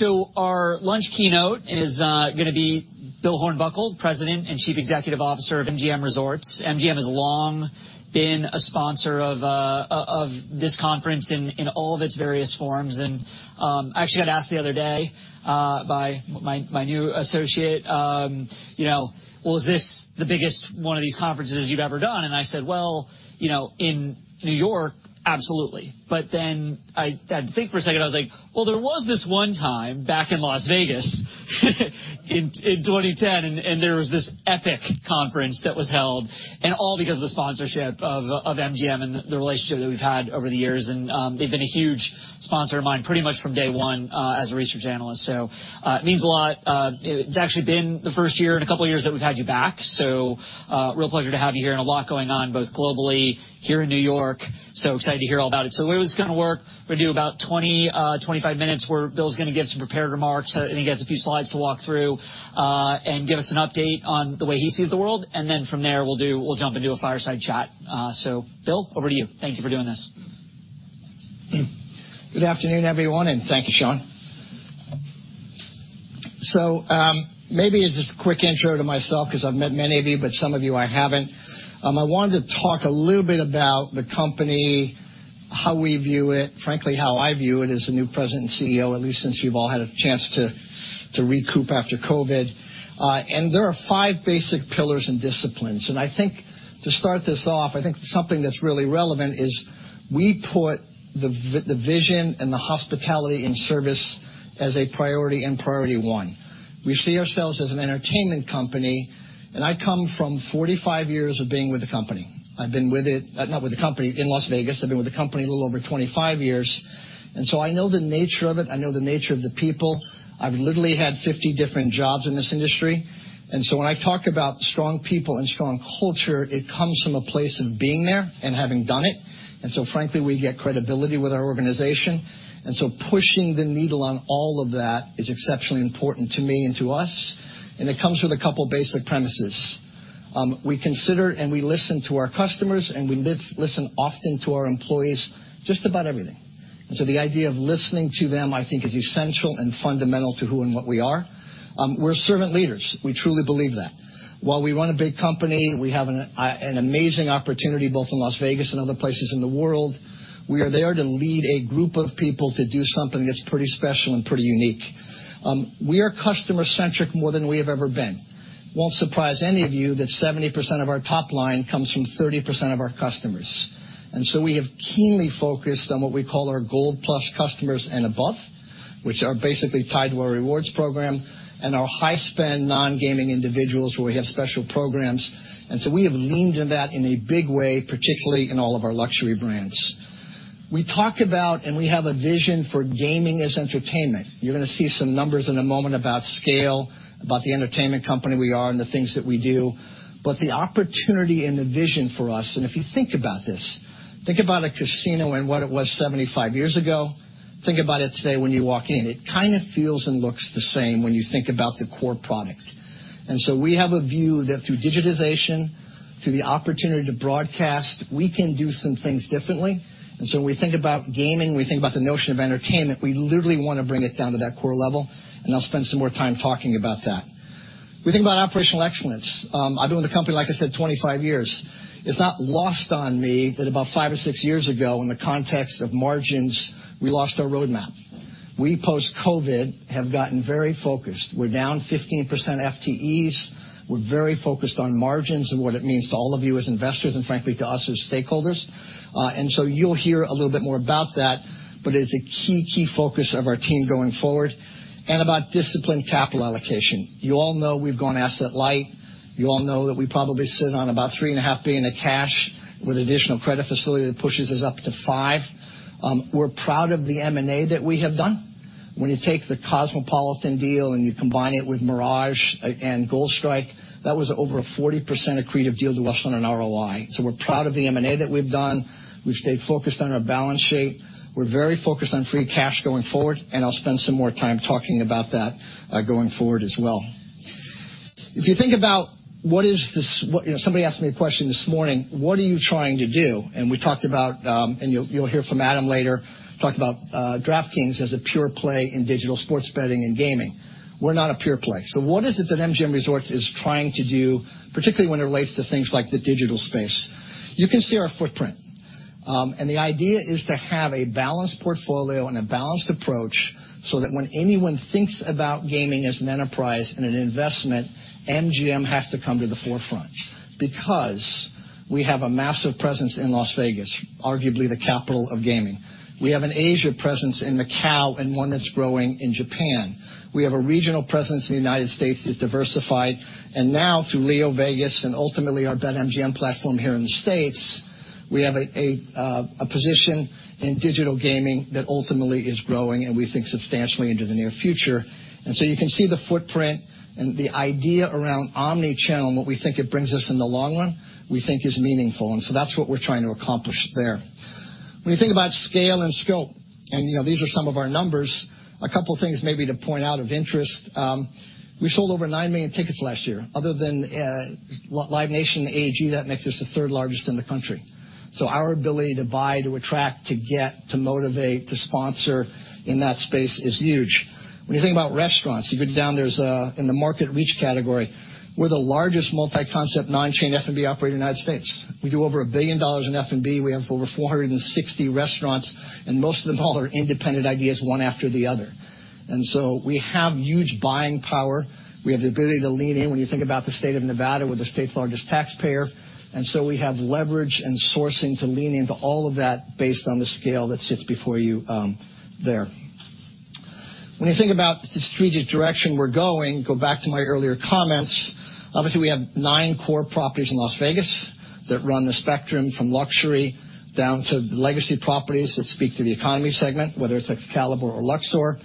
So our lunch keynote is going to be Bill Hornbuckle, President and Chief Executive Officer of MGM Resorts. MGM has long been a sponsor of this conference in all of its various forms. And I actually got asked the other day by my new associate, you know, "Well, is this the biggest one of these conferences you've ever done?" And I said, "Well, you know, in New York, absolutely." But then I had to think for a second. I was like, "Well, there was this one time back in Las Vegas, in 2010, and there was this epic conference that was held, and all because of the sponsorship of MGM and the relationship that we've had over the years." And they've been a huge sponsor of mine, pretty much from day one, as a research analyst. So, it means a lot. It's actually been the first year in a couple of years that we've had you back, so real pleasure to have you here, and a lot going on, both globally, here in New York. So excited to hear all about it. So the way this is going to work, we're going to do about 20, 25 minutes, where Bill's going to give some prepared remarks, and he has a few slides to walk through, and give us an update on the way he sees the world. And then from there, we'll do—we'll jump into a fireside chat. So Bill, over to you. Thank you for doing this. Good afternoon, everyone, and thank you, Shaun. So, maybe as just a quick intro to myself, because I've met many of you, but some of you I haven't. I wanted to talk a little bit about the company, how we view it, frankly, how I view it as the new President and CEO, at least since you've all had a chance to recoup after COVID. And there are five basic pillars and disciplines. And I think to start this off, I think something that's really relevant is we put the vision and the hospitality and service as a priority and priority one. We see ourselves as an entertainment company, and I come from 45 years of being with the company. I've been with it... Not with the company in Las Vegas. I've been with the company a little over 25 years, and so I know the nature of it. I know the nature of the people. I've literally had 50 different jobs in this industry, and so when I talk about strong people and strong culture, it comes from a place of being there and having done it. And so frankly, we get credibility with our organization. And so pushing the needle on all of that is exceptionally important to me and to us, and it comes with a couple basic premises. We consider and we listen to our customers, and we listen often to our employees, just about everything. And so the idea of listening to them, I think, is essential and fundamental to who and what we are. We're servant leaders. We truly believe that. While we run a big company, we have an amazing opportunity, both in Las Vegas and other places in the world. We are there to lead a group of people to do something that's pretty special and pretty unique. We are customer-centric more than we have ever been. Won't surprise any of you that 70% of our top line comes from 30% of our customers. And so we have keenly focused on what we call our Gold Plus customers and above, which are basically tied to our rewards program and our high-spend, non-gaming individuals, where we have special programs. And so we have leaned into that in a big way, particularly in all of our luxury brands. We talked about and we have a vision for gaming as entertainment. You're going to see some numbers in a moment about scale, about the entertainment company we are and the things that we do, but the opportunity and the vision for us. And if you think about this, think about a casino and what it was 75 years ago. Think about it today when you walk in. It kind of feels and looks the same when you think about the core product. And so we have a view that through digitization, through the opportunity to broadcast, we can do some things differently. And so when we think about gaming, we think about the notion of entertainment. We literally want to bring it down to that core level, and I'll spend some more time talking about that. We think about operational excellence. I've been with the company, like I said, 25 years. It's not lost on me that about five or six years ago, in the context of margins, we lost our roadmap. We, post-COVID, have gotten very focused. We're down 15% FTEs. We're very focused on margins and what it means to all of you as investors and frankly, to us as stakeholders. And so you'll hear a little bit more about that, but it's a key, key focus of our team going forward and about disciplined capital allocation. You all know we've gone asset light. You all know that we probably sit on about $3.5 billion in cash with additional credit facility that pushes us up to $5 billion. We're proud of the M&A that we have done. When you take the Cosmopolitan deal and you combine it with Mirage and Gold Strike, that was over a 40% accretive deal to us on an ROI. So we're proud of the M&A that we've done. We've stayed focused on our balance sheet. We're very focused on free cash going forward, and I'll spend some more time talking about that, going forward as well. If you think about what is this... Somebody asked me a question this morning: "What are you trying to do?" And we talked about, and you'll, you'll hear from Adam later, talked about DraftKings as a pure play in digital sports betting and gaming. We're not a pure play, so what is it that MGM Resorts is trying to do, particularly when it relates to things like the digital space? You can see our footprint. The idea is to have a balanced portfolio and a balanced approach so that when anyone thinks about gaming as an enterprise and an investment, MGM has to come to the forefront because we have a massive presence in Las Vegas, arguably the capital of gaming. We have an Asian presence in Macau and one that's growing in Japan. We have a regional presence in the United States that's diversified and now through LeoVegas and ultimately our BetMGM platform here in the States, we have a position in digital gaming that ultimately is growing and we think substantially into the near future. And so you can see the footprint and the idea around omni-channel, and what we think it brings us in the long run, we think is meaningful, and so that's what we're trying to accomplish there. When you think about scale and scope, and, you know, these are some of our numbers, a couple of things maybe to point out of interest. We sold over 9 million tickets last year. Other than Live Nation, AEG, that makes us the third largest in the country. So our ability to buy, to attract, to get, to motivate, to sponsor in that space is huge. When you think about restaurants, you go down, there's in the market reach category, we're the largest multi-concept non-chain F&B operator in the United States. We do over $1 billion in F&B. We have over 460 restaurants, and most of them all are independent ideas, one after the other. And so we have huge buying power. We have the ability to lean in. When you think about the state of Nevada, we're the state's largest taxpayer, and so we have leverage and sourcing to lean into all of that based on the scale that sits before you. When you think about the strategic direction we're going, go back to my earlier comments. Obviously, we have nine core properties in Las Vegas that run the spectrum from luxury down to legacy properties that speak to the economy segment, whether it's Excalibur or Luxor.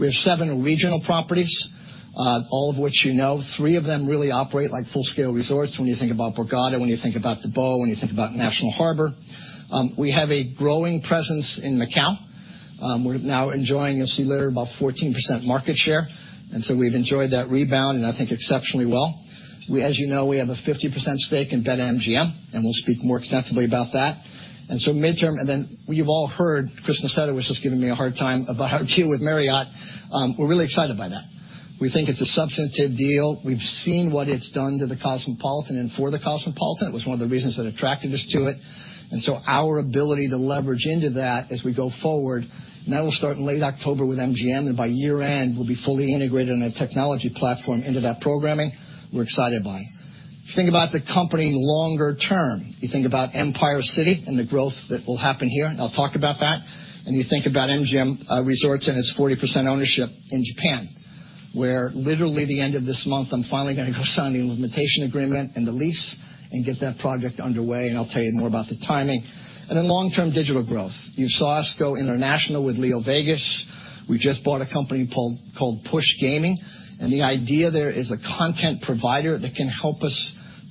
We have seven regional properties, all of which you know. Three of them really operate like full-scale resorts when you think about Borgata, when you think about the Beau, when you think about National Harbor. We have a growing presence in Macau. We're now enjoying, you'll see later, about 14% market share, and so we've enjoyed that rebound, and I think exceptionally well. We, as you know, we have a 50% stake in BetMGM, and we'll speak more extensively about that. And so midterm, and then you've all heard, Chris Nassetta was just giving me a hard time about our deal with Marriott. We're really excited by that. We think it's a substantive deal. We've seen what it's done to the Cosmopolitan and for the Cosmopolitan. It was one of the reasons that attracted us to it, and so our ability to leverage into that as we go forward, and that will start in late October with MGM, and by year-end, we'll be fully integrated in a technology platform into that programming, we're excited by. If you think about the company longer term, you think about Empire City and the growth that will happen here, and I'll talk about that. You think about MGM Resorts and its 40% ownership in Japan, where literally the end of this month, I'm finally going to go sign the implementation agreement and the lease and get that project underway, and I'll tell you more about the timing. Then long-term digital growth. You saw us go international with LeoVegas. We just bought a company called Push Gaming, and the idea there is a content provider that can help us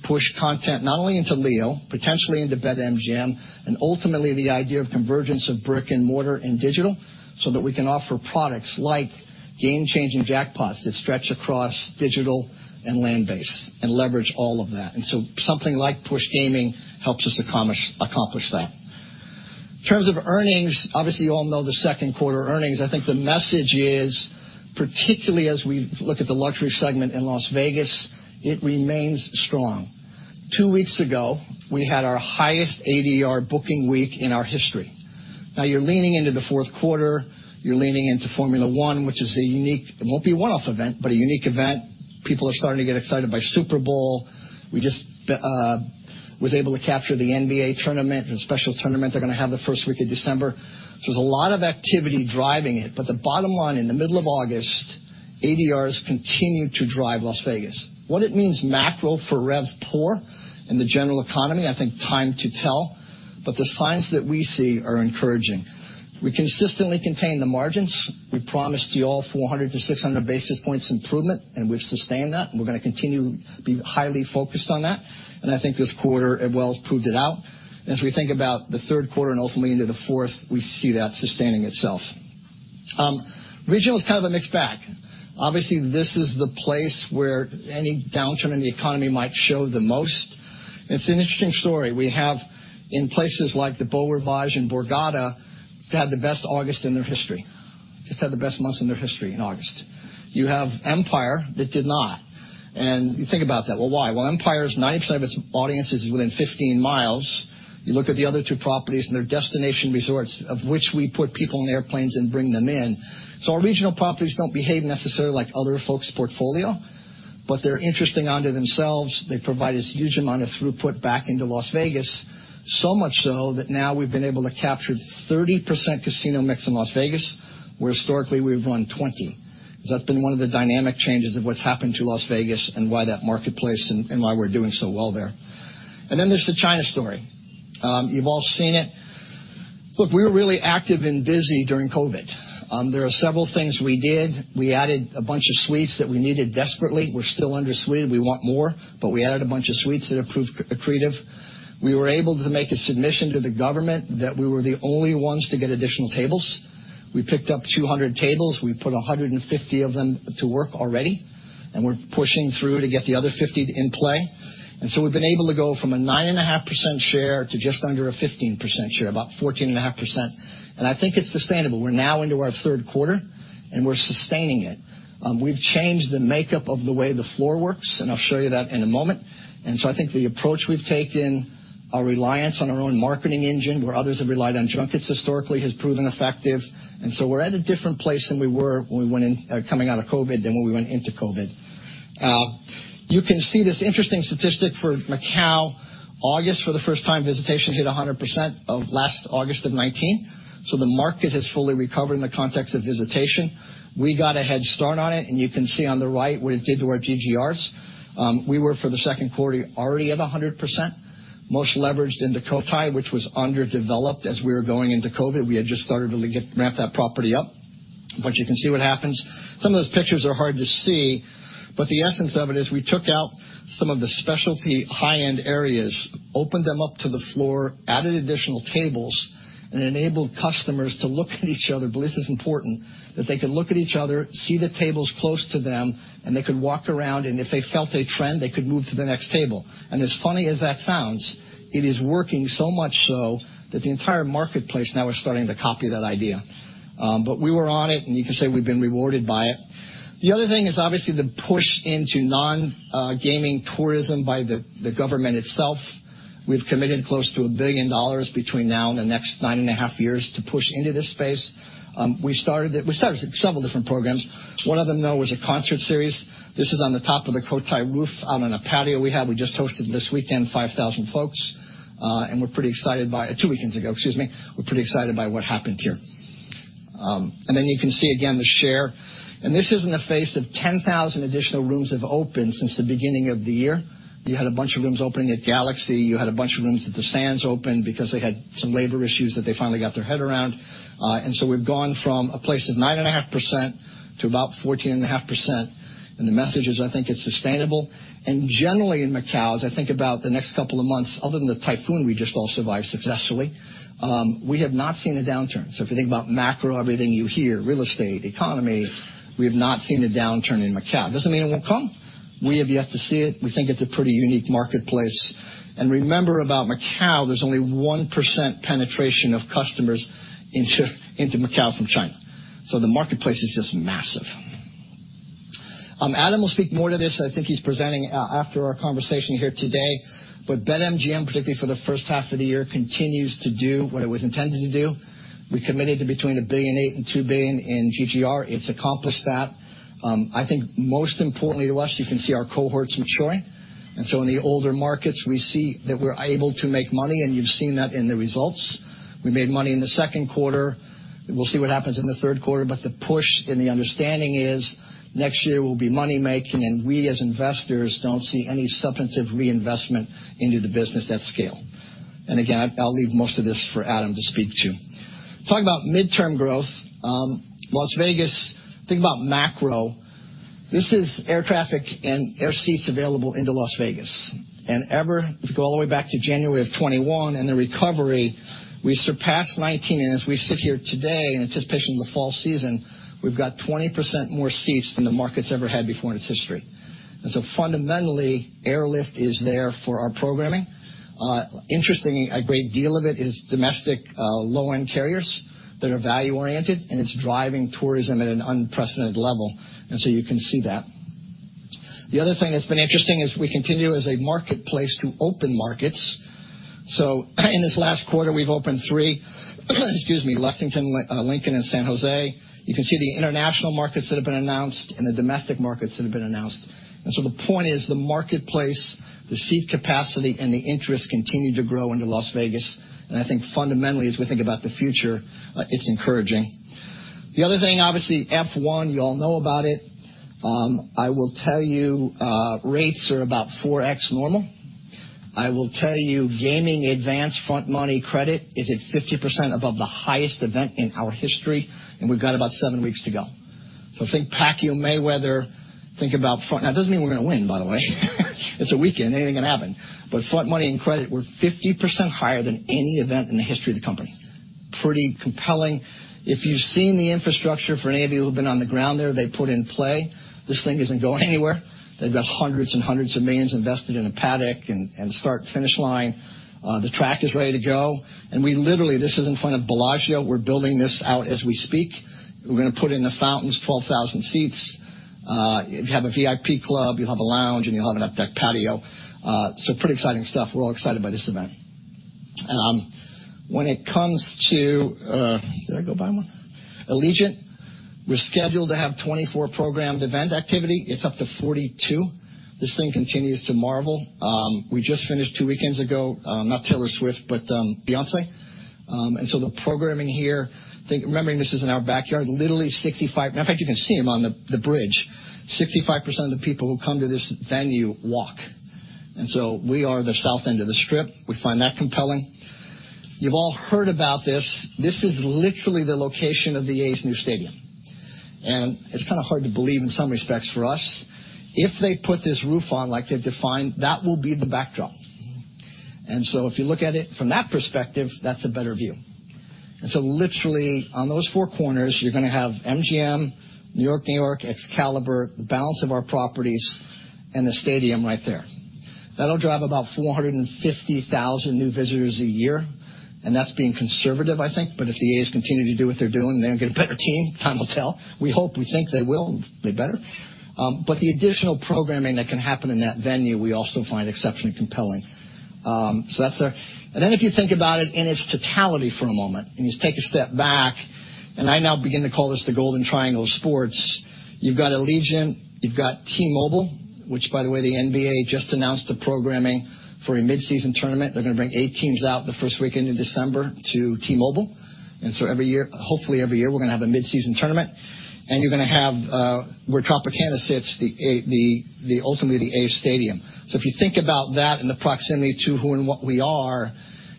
push content not only into Leo, potentially into BetMGM, and ultimately the idea of convergence of brick-and-mortar and digital, so that we can offer products like game-changing jackpots that stretch across digital and land-based and leverage all of that. And so something like Push Gaming helps us accomplish that. In terms of earnings, obviously, you all know the second quarter earnings. I think the message is, particularly as we look at the luxury segment in Las Vegas, it remains strong. Two weeks ago, we had our highest ADR booking week in our history. Now you're leaning into the fourth quarter, you're leaning into Formula One, which is a unique... It won't be a one-off event, but a unique event. People are starting to get excited by Super Bowl. We just was able to capture the NBA tournament and a special tournament they're going to have the first week of December. So there's a lot of activity driving it, but the bottom line, in the middle of August, ADRs continued to drive Las Vegas. What it means macro for RevPAR in the general economy, I think, time to tell, but the signs that we see are encouraging. We consistently contain the margins. We promised you all 400-600 basis points improvement, and we've sustained that, and we're going to continue to be highly focused on that. And I think this quarter, it well proved it out. As we think about the third quarter and ultimately into the fourth, we see that sustaining itself. Regional is kind of a mixed bag. Obviously, this is the place where any downturn in the economy might show the most. It's an interesting story we have in places like the Beau Rivage and Borgata, they had the best August in their history. Just had the best months in their history in August. You have Empire that did not, and you think about that. Well, why? Well, Empire's 90% of its audience is within 15 miles. You look at the other two properties, and they're destination resorts, of which we put people in airplanes and bring them in. So our regional properties don't behave necessarily like other folks' portfolio, but they're interesting unto themselves. They provide this huge amount of throughput back into Las Vegas. So much so that now we've been able to capture 30% casino mix in Las Vegas, where historically we've won 20. So that's been one of the dynamic changes of what's happened to Las Vegas and why that marketplace and, and why we're doing so well there. And then there's the China story. You've all seen it. Look, we were really active and busy during COVID. There are several things we did. We added a bunch of suites that we needed desperately. We're still under suite. We want more, but we added a bunch of suites that have proved accretive. We were able to make a submission to the government that we were the only ones to get additional tables. We picked up 200 tables. We put 150 of them to work already, and we're pushing through to get the other 50 in play. And so we've been able to go from a 9.5% share to just under a 15% share, about 14.5%. And I think it's sustainable. We're now into our third quarter, and we're sustaining it. We've changed the makeup of the way the floor works, and I'll show you that in a moment. And so I think the approach we've taken, our reliance on our own marketing engine, where others have relied on junkets historically, has proven effective. And so we're at a different place than we were when we went in, coming out of COVID than when we went into COVID. You can see this interesting statistic for Macau. August, for the first time, visitation hit 100% of last August of 2019. So the market has fully recovered in the context of visitation. We got a head start on it, and you can see on the right what it did to our GGRs. We were, for the second quarter, already at 100%, most leveraged into Cotai, which was underdeveloped as we were going into COVID. We had just started to ramp that property up. But you can see what happens. Some of those pictures are hard to see, but the essence of it is we took out some of the specialty high-end areas, opened them up to the floor, added additional tables, and enabled customers to look at each other. But this is important, that they could look at each other, see the tables close to them, and they could walk around, and if they felt a trend, they could move to the next table. And as funny as that sounds, it is working so much so that the entire marketplace now is starting to copy that idea. But we were on it, and you can say we've been rewarded by it. The other thing is obviously the push into non-gaming tourism by the government itself.... We've committed close to $1 billion between now and the next 9.5 years to push into this space. We started several different programs. One of them, though, was a concert series. This is on the top of the Cotai roof, out on a patio we have. We just hosted this weekend, 5,000 folks, and we're pretty excited by it—two weekends ago, excuse me. We're pretty excited by what happened here. And then you can see again, the share, and this is in the face of 10,000 additional rooms have opened since the beginning of the year. You had a bunch of rooms opening at Galaxy. You had a bunch of rooms at the Sands open because they had some labor issues that they finally got their head around. And so we've gone from a place of 9.5% to about 14.5%, and the message is, I think it's sustainable. And generally, in Macau, as I think about the next couple of months, other than the typhoon we just all survived successfully, we have not seen a downturn. So if you think about macro, everything you hear, real estate, economy, we have not seen a downturn in Macau. Doesn't mean it won't come. We have yet to see it. We think it's a pretty unique marketplace. And remember, about Macau, there's only 1% penetration of customers into Macau from China, so the marketplace is just massive. Adam will speak more to this. I think he's presenting after our conversation here today, but BetMGM, particularly for the first half of the year, continues to do what it was intended to do. We committed to between $1.8 billion and $2 billion in GGR. It's accomplished that. I think most importantly to us, you can see our cohorts maturing. And so in the older markets, we see that we're able to make money, and you've seen that in the results. We made money in the second quarter. We'll see what happens in the third quarter, but the push and the understanding is next year we'll be money-making, and we, as investors, don't see any substantive reinvestment into the business at scale. And again, I'll leave most of this for Adam to speak to. Talking about midterm growth, Las Vegas, think about macro. This is air traffic and air seats available into Las Vegas, and ever... If you go all the way back to January of 2021 and the recovery, we surpassed 19, and as we sit here today in anticipation of the fall season, we've got 20% more seats than the market's ever had before in its history. Fundamentally, airlift is there for our programming. Interestingly, a great deal of it is domestic, low-end carriers that are value-oriented, and it's driving tourism at an unprecedented level. You can see that. The other thing that's been interesting is we continue as a marketplace to open markets. In this last quarter, we've opened three, excuse me, Lexington, Lincoln, and San Jose. You can see the international markets that have been announced and the domestic markets that have been announced. The point is the marketplace, the seat capacity, and the interest continue to grow into Las Vegas, and I think fundamentally, as we think about the future, it's encouraging. The other thing, obviously, F1, you all know about it. I will tell you, rates are about 4x normal. I will tell you, gaming advance front money credit is at 50% above the highest event in our history, and we've got about 7 weeks to go. So think Pacquiao-Mayweather, think about front money and credit. Now, it doesn't mean we're going to win, by the way. It's a weekend. Anything can happen. But front money and credit, we're 50% higher than any event in the history of the company. Pretty compelling. If you've seen the infrastructure, for any of you who have been on the ground there, they put in play, this thing isn't going anywhere. They've got hundreds and hundreds of millions invested in a paddock and start-finish line. The track is ready to go. We literally, this is in front of Bellagio, we're building this out as we speak. We're going to put in the fountains, 12,000 seats. You have a VIP club, you'll have a lounge, and you'll have an updeck patio. So pretty exciting stuff. We're all excited by this event. When it comes to... Did I go by one? Allegiant, we're scheduled to have 24 programmed event activity. It's up to 42. This thing continues to marvel. We just finished two weekends ago, not Taylor Swift, but Beyoncé. And so the programming here, think, remembering, this is in our backyard, literally 65... matter of fact, you can see them on the bridge. 65% of the people who come to this venue walk, and so we are the south end of the Strip. We find that compelling. You've all heard about this. This is literally the location of the A's new stadium, and it's kind of hard to believe in some respects for us. If they put this roof on like they've defined, that will be the backdrop. And so if you look at it from that perspective, that's a better view. And so literally, on those four corners, you're going to have MGM, New York-New York, Excalibur, the balance of our properties, and the stadium right there. That'll drive about 450,000 new visitors a year, and that's being conservative, I think, but if the A's continue to do what they're doing, they'll get a better team. Time will tell. We hope. We think they will. They better. But the additional programming that can happen in that venue, we also find exceptionally compelling. So that's there. And then if you think about it in its totality for a moment, and you just take a step back, and I now begin to call this the Golden Triangle of Sports. You've got Allegiant, you've got T-Mobile, which, by the way, the NBA just announced the programming for a mid-season tournament. They're going to bring eight teams out the first weekend in December to T-Mobile. And so every year, hopefully, every year, we're going to have a mid-season tournament, and you're going to have where Tropicana sits, ultimately, the A's stadium. So if you think about that and the proximity to who and what we are,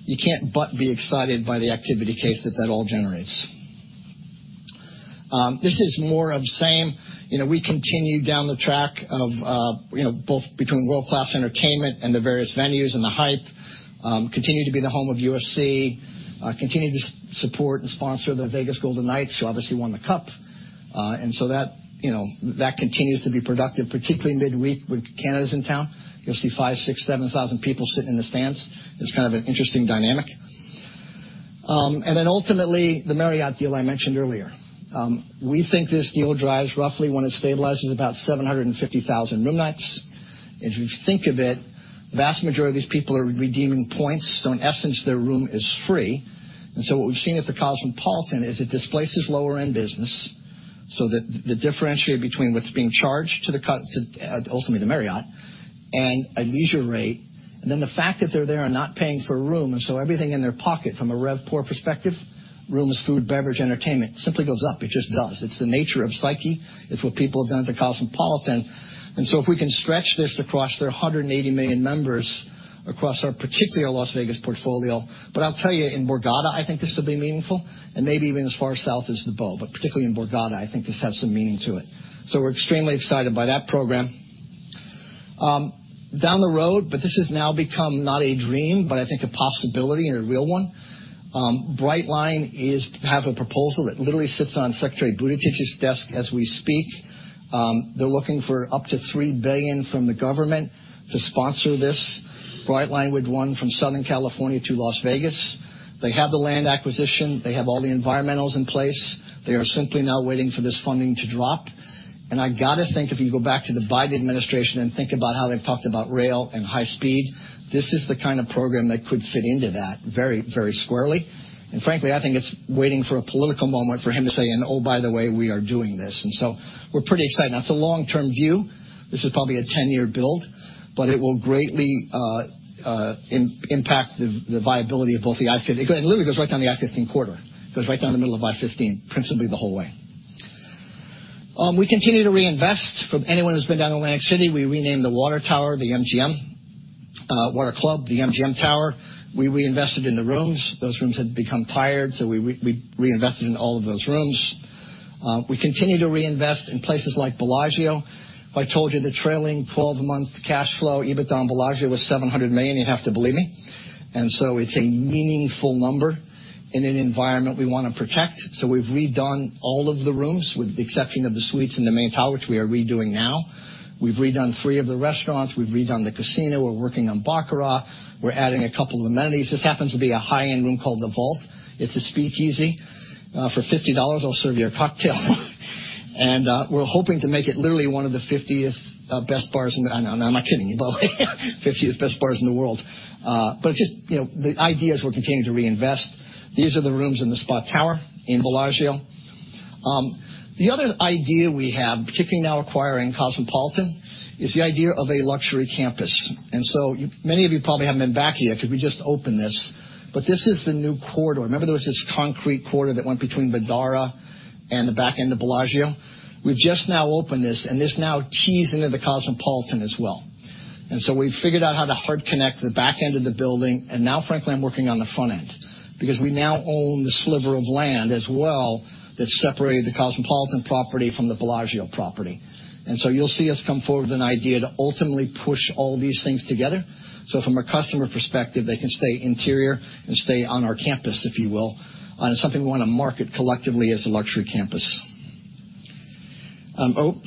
you can't but be excited by the activity case that all generates. This is more of the same. You know, we continue down the track of, you know, both between world-class entertainment and the various venues and the hype. Continue to be the home of UFC, continue to support and sponsor the Vegas Golden Knights, who obviously won the Cup, and so that, you know, that continues to be productive, particularly in midweek when Canada's in town. You'll see 5, 6, 7 thousand people sitting in the stands. It's kind of an interesting dynamic.... And then ultimately, the Marriott deal I mentioned earlier. We think this deal drives roughly, when it stabilizes, about 750,000 room nights. If you think of it, the vast majority of these people are redeeming points, so in essence, their room is free. And so what we've seen at the Cosmopolitan is it displaces lower-end business so that the differentiate between what's being charged to the—to, ultimately, the Marriott, and a leisure rate, and then the fact that they're there and not paying for a room, and so everything in their pocket from a RevPOR perspective, rooms, food, beverage, entertainment, simply goes up. It just does. It's the nature of psyche. It's what people have done at the Cosmopolitan. And so if we can stretch this across their 180 million members, across our particular Las Vegas portfolio... But I'll tell you, in Borgata, I think this will be meaningful and maybe even as far south as the BO, but particularly in Borgata, I think this has some meaning to it. So we're extremely excited by that program. Down the road, but this has now become not a dream, but I think a possibility and a real one. Brightline has a proposal that literally sits on Secretary Buttigieg's desk as we speak. They're looking for up to $3 billion from the government to sponsor this. Brightline would run from Southern California to Las Vegas. They have the land acquisition. They have all the environmentals in place. They are simply now waiting for this funding to drop. And I got to think, if you go back to the Biden administration and think about how they've talked about rail and high speed, this is the kind of program that could fit into that very, very squarely. And frankly, I think it's waiting for a political moment for him to say, "And oh, by the way, we are doing this." So we're pretty excited. Now, it's a long-term view. This is probably a 10-year build, but it will greatly impact the viability of the I-15. It literally goes right down the I-15 corridor. It goes right down the middle of I-15, principally the whole way. We continue to reinvest. From anyone who's been down to Atlantic City, we renamed the Water Club the MGM Tower. We reinvested in the rooms. Those rooms had become tired, so we reinvested in all of those rooms. We continue to reinvest in places like Bellagio. If I told you the trailing 12-month cash flow, EBITDA on Bellagio was $700 million, you'd have to believe me, and so it's a meaningful number in an environment we want to protect. So we've redone all of the rooms, with the exception of the suites in the main tower, which we are redoing now. We've redone three of the restaurants, we've redone the casino, we're working on Baccarat. We're adding a couple of amenities. This happens to be a high-end room called The Vault. It's a speakeasy. For $50, I'll serve you a cocktail. And we're hoping to make it literally one of the 50th best bars in the world. I'm not kidding you, by the way, 50th best bars in the world. But just, you know, the ideas, we're continuing to reinvest. These are the rooms in the Spa Tower in Bellagio. The other idea we have, particularly now acquiring Cosmopolitan, is the idea of a luxury campus. And so many of you probably haven't been back here because we just opened this, but this is the new corridor. Remember, there was this concrete corridor that went between Vdara and the back end of Bellagio? We've just now opened this, and this now tees into the Cosmopolitan as well. And so we've figured out how to hard connect the back end of the building, and now, frankly, I'm working on the front end because we now own the sliver of land as well that separated the Cosmopolitan property from the Bellagio property. And so you'll see us come forward with an idea to ultimately push all these things together, so from a customer perspective, they can stay interior and stay on our campus, if you will, on something we want to market collectively as a luxury campus. Oh,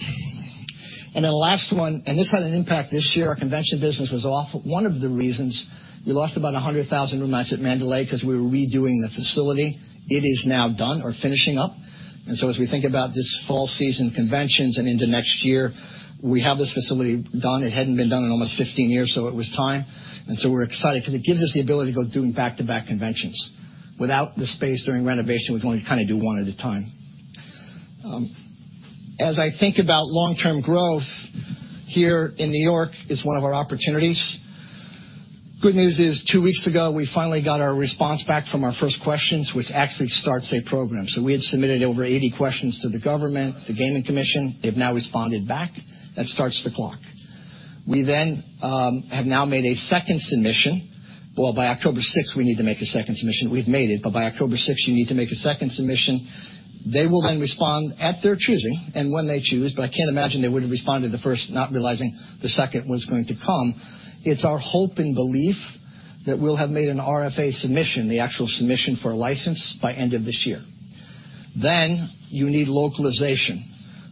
and then the last one, and this had an impact this year. Our convention business was off. One of the reasons, we lost about 100,000 room nights at Mandalay because we were redoing the facility. It is now done or finishing up, and so as we think about this fall season, conventions and into next year, we have this facility done. It hadn't been done in almost 15 years, so it was time. And so we're excited because it gives us the ability to go do back-to-back conventions. Without the space during renovation, we can only kind of do one at a time. As I think about long-term growth, here in New York is one of our opportunities. Good news is, two weeks ago, we finally got our response back from our first questions, which actually starts a program. So we had submitted over 80 questions to the government, the gaming commission. They've now responded back. That starts the clock. We then have now made a second submission. Well, by October sixth, we need to make a second submission. We've made it, but by October sixth, you need to make a second submission. They will then respond at their choosing and when they choose, but I can't imagine they would have responded to the first, not realizing the second was going to come. It's our hope and belief that we'll have made an RFA submission, the actual submission for a license, by end of this year. Then you need localization,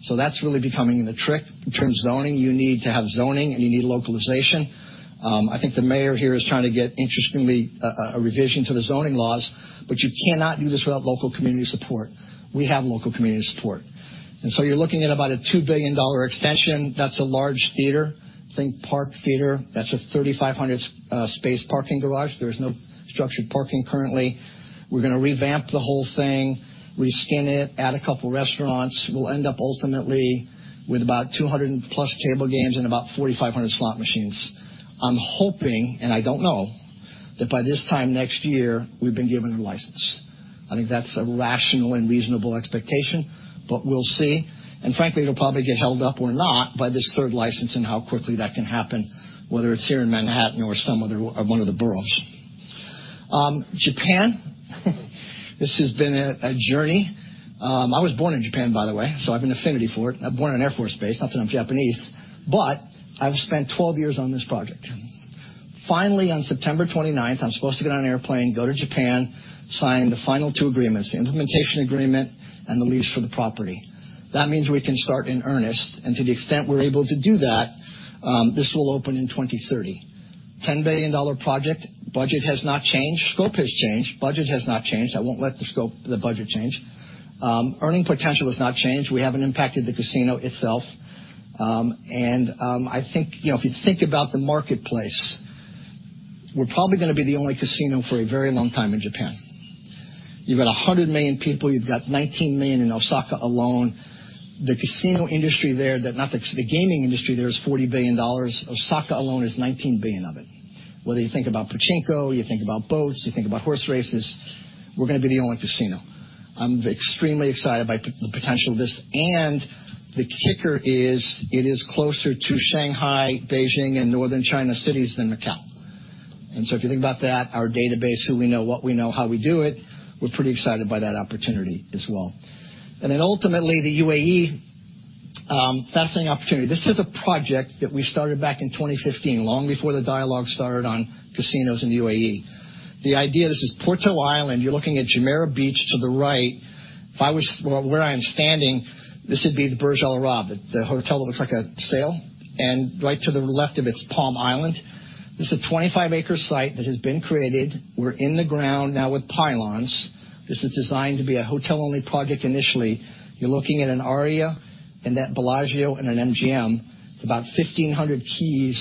so that's really becoming the trick. In terms of zoning, you need to have zoning, and you need localization. I think the mayor here is trying to get, interestingly, a revision to the zoning laws, but you cannot do this without local community support. We have local community support, and so you're looking at about a $2 billion extension. That's a large theater. Think Park Theater. That's a 3,500-space parking garage. There's no structured parking currently. We're going to revamp the whole thing, reskin it, add a couple restaurants. We'll end up ultimately with about 200-plus table games and about 4,500 slot machines. I'm hoping, and I don't know, that by this time next year, we've been given a license. I think that's a rational and reasonable expectation, but we'll see. Frankly, it'll probably get held up or not by this third license and how quickly that can happen, whether it's here in Manhattan or some other... or one of the boroughs. Japan, this has been a journey. I was born in Japan, by the way, so I have an affinity for it. I was born on an Air Force base, not that I'm Japanese, but I've spent 12 years on this project. Finally, on September 29th, I'm supposed to get on an airplane, go to Japan, sign the final two agreements, the implementation agreement and the lease for the property. That means we can start in earnest, and to the extent we're able to do that, this will open in 2030.... $10 billion project. Budget has not changed. Scope has changed, budget has not changed. I won't let the scope, the budget change. Earning potential has not changed. We haven't impacted the casino itself. And, I think, you know, if you think about the marketplace, we're probably going to be the only casino for a very long time in Japan. You've got 100 million people, you've got 19 million in Osaka alone. The casino industry there, that-not the- the gaming industry there is $40 billion. Osaka alone is $19 billion of it. Whether you think about pachinko, you think about boats, you think about horse races, we're going to be the only casino. I'm extremely excited by the, the potential of this, and the kicker is, it is closer to Shanghai, Beijing, and Northern China cities than Macau. And so if you think about that, our database, who we know, what we know, how we do it, we're pretty excited by that opportunity as well. And then ultimately, the UAE, fascinating opportunity. This is a project that we started back in 2015, long before the dialogue started on casinos in the UAE. The idea, this is Porto Island. You're looking at Jumeirah Beach to the right. If I was, well, where I am standing, this would be the Burj Al Arab, the hotel that looks like a sail, and right to the left of it's Palm Island. This is a 25-acre site that has been created. We're in the ground now with pylons. This is designed to be a hotel-only project initially. You're looking at an Aria and that Bellagio and an MGM, about 1,500 keys.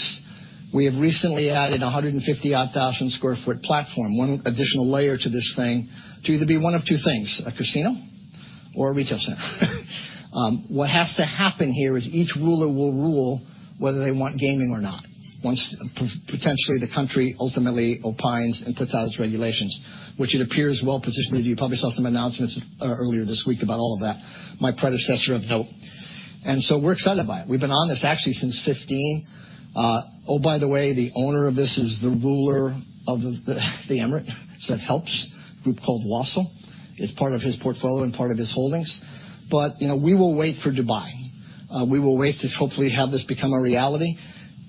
We have recently added a 150,000 sq ft platform, one additional layer to this thing, to either be one of two things, a casino or a retail center. What has to happen here is each ruler will rule whether they want gaming or not, once potentially, the country ultimately opines and puts out its regulations, which it appears well-positioned. You probably saw some announcements earlier this week about all of that, my predecessor of note. And so we're excited by it. We've been on this actually since 2015. Oh, by the way, the owner of this is the ruler of the Emirate, so that helps. Group called Wasl. It's part of his portfolio and part of his holdings. But, you know, we will wait for Dubai. We will wait to hopefully have this become a reality,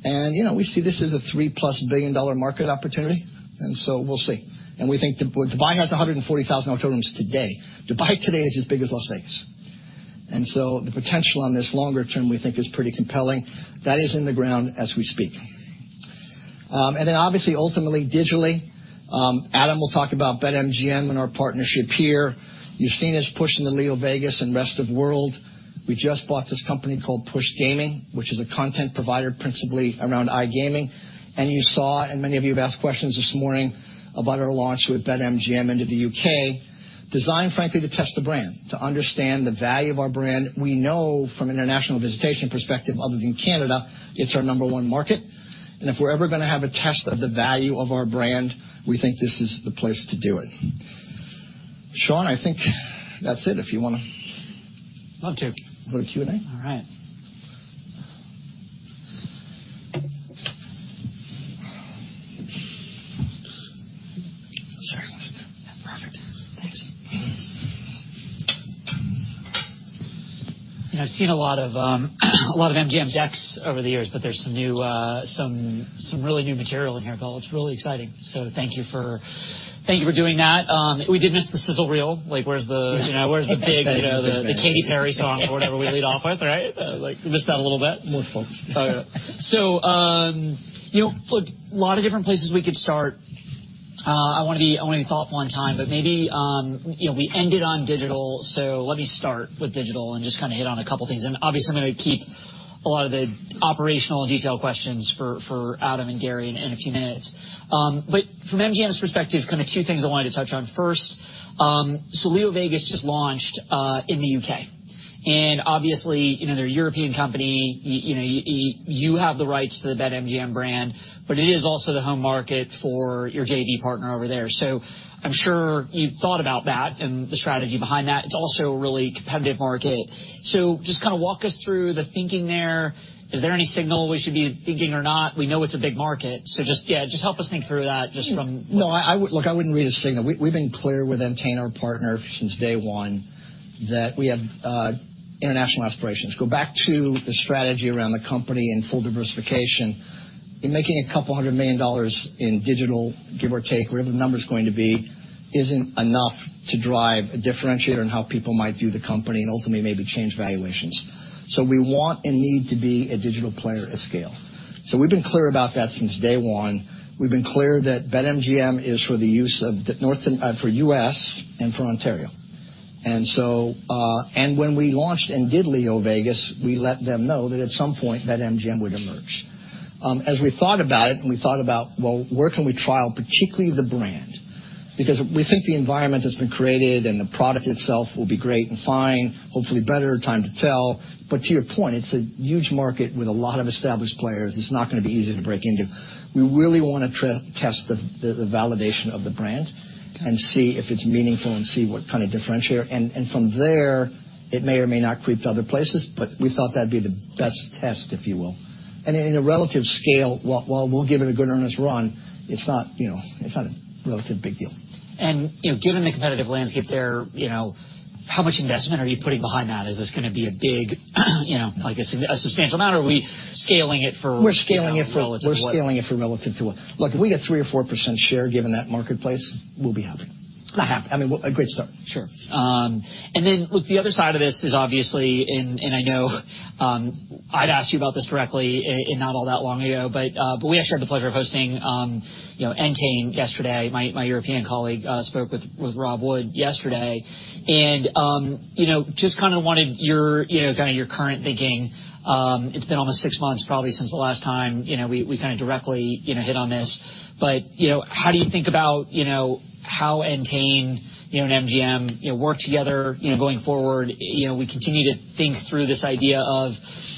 and, you know, we see this as a $3+ billion market opportunity, and so we'll see. And we think Dubai has 140,000 hotel rooms today. Dubai today is as big as Las Vegas, and the potential on this longer term, we think, is pretty compelling. That is in the ground as we speak. Obviously, ultimately, digitally, Adam will talk about BetMGM and our partnership here. You've seen us push in the LeoVegas and rest of world. We just bought this company called Push Gaming, which is a content provider, principally around iGaming. You saw, and many of you have asked questions this morning, about our launch with BetMGM into the U.K., designed, frankly, to test the brand, to understand the value of our brand. We know from an international visitation perspective, other than Canada, it's our number one market, and if we're ever going to have a test of the value of our brand, we think this is the place to do it. Shaun, I think that's it, if you want to- Love to. Go to Q&A? All right. Sorry. Perfect. Thanks. You know, I've seen a lot of, a lot of MGM decks over the years, but there's some new, some, some really new material in here, Bill. It's really exciting. So thank you for, thank you for doing that. We did miss the sizzle reel. Like, where's the big, you know, the Katy Perry song or whatever we lead off with, right? Like, missed that a little bit. We'll focus. So, you know, look, a lot of different places we could start. I want to be thoughtful on time, but maybe, you know, we ended on digital, so let me start with digital and just kind of hit on a couple things. And obviously, I'm going to keep a lot of the operational and detailed questions for Adam and Gary in a few minutes. But from MGM's perspective, kind of two things I wanted to touch on: First, so LeoVegas just launched in the UK. And obviously, you know, they're a European company, you know, you have the rights to the BetMGM brand, but it is also the home market for your JV partner over there. So I'm sure you've thought about that and the strategy behind that. It's also a really competitive market. So just kind of walk us through the thinking there. Is there any signal we should be thinking or not? We know it's a big market, so just, yeah, just help us think through that, just from- No, I... Look, I wouldn't read a signal. We've been clear with Entain, our partner, since day one, that we have international aspirations. Go back to the strategy around the company and full diversification. In making a couple hundred million dollars in digital, give or take, whatever the number's going to be, isn't enough to drive a differentiator in how people might view the company and ultimately maybe change valuations. We want and need to be a digital player at scale. We've been clear about that since day one. We've been clear that BetMGM is for the use of the North-- for US and for Ontario. When we launched and did LeoVegas, we let them know that at some point, BetMGM would emerge. As we thought about it, and we thought about, well, where can we trial, particularly the brand? Because we think the environment that's been created and the product itself will be great and fine, hopefully better, time to tell, but to your point, it's a huge market with a lot of established players. It's not going to be easy to break into. We really want to test the, the validation of the brand and see if it's meaningful and see what kind of differentiator. And, and from there, it may or may not creep to other places, but we thought that'd be the best test, if you will. And in a relative scale, while we'll give it a good, honest run, it's not, you know, it's not a relative big deal. You know, given the competitive landscape there, you know, how much investment are you putting behind that? Is this going to be a big, you know, like, a substantial amount, or are we scaling it for- We're scaling it for- Relative what? We're scaling it for relative to what? Look, if we get 3% or 4% share, given that marketplace, we'll be happy. I have, I mean, a great start. Sure. And then look, the other side of this is obviously, and I know, I'd asked you about this directly and not all that long ago, but, but we actually had the pleasure of hosting, you know, Entain yesterday. My European colleague spoke with Rob Wood yesterday, and, you know, just kind of wanted your, you know, kind of your current thinking. It's been almost six months, probably since the last time, you know, we kind of directly, you know, hit on this. But, you know, how do you think about, you know, how Entain, you know, and MGM, you know, work together, you know, going forward? You know, we continue to think through this idea of,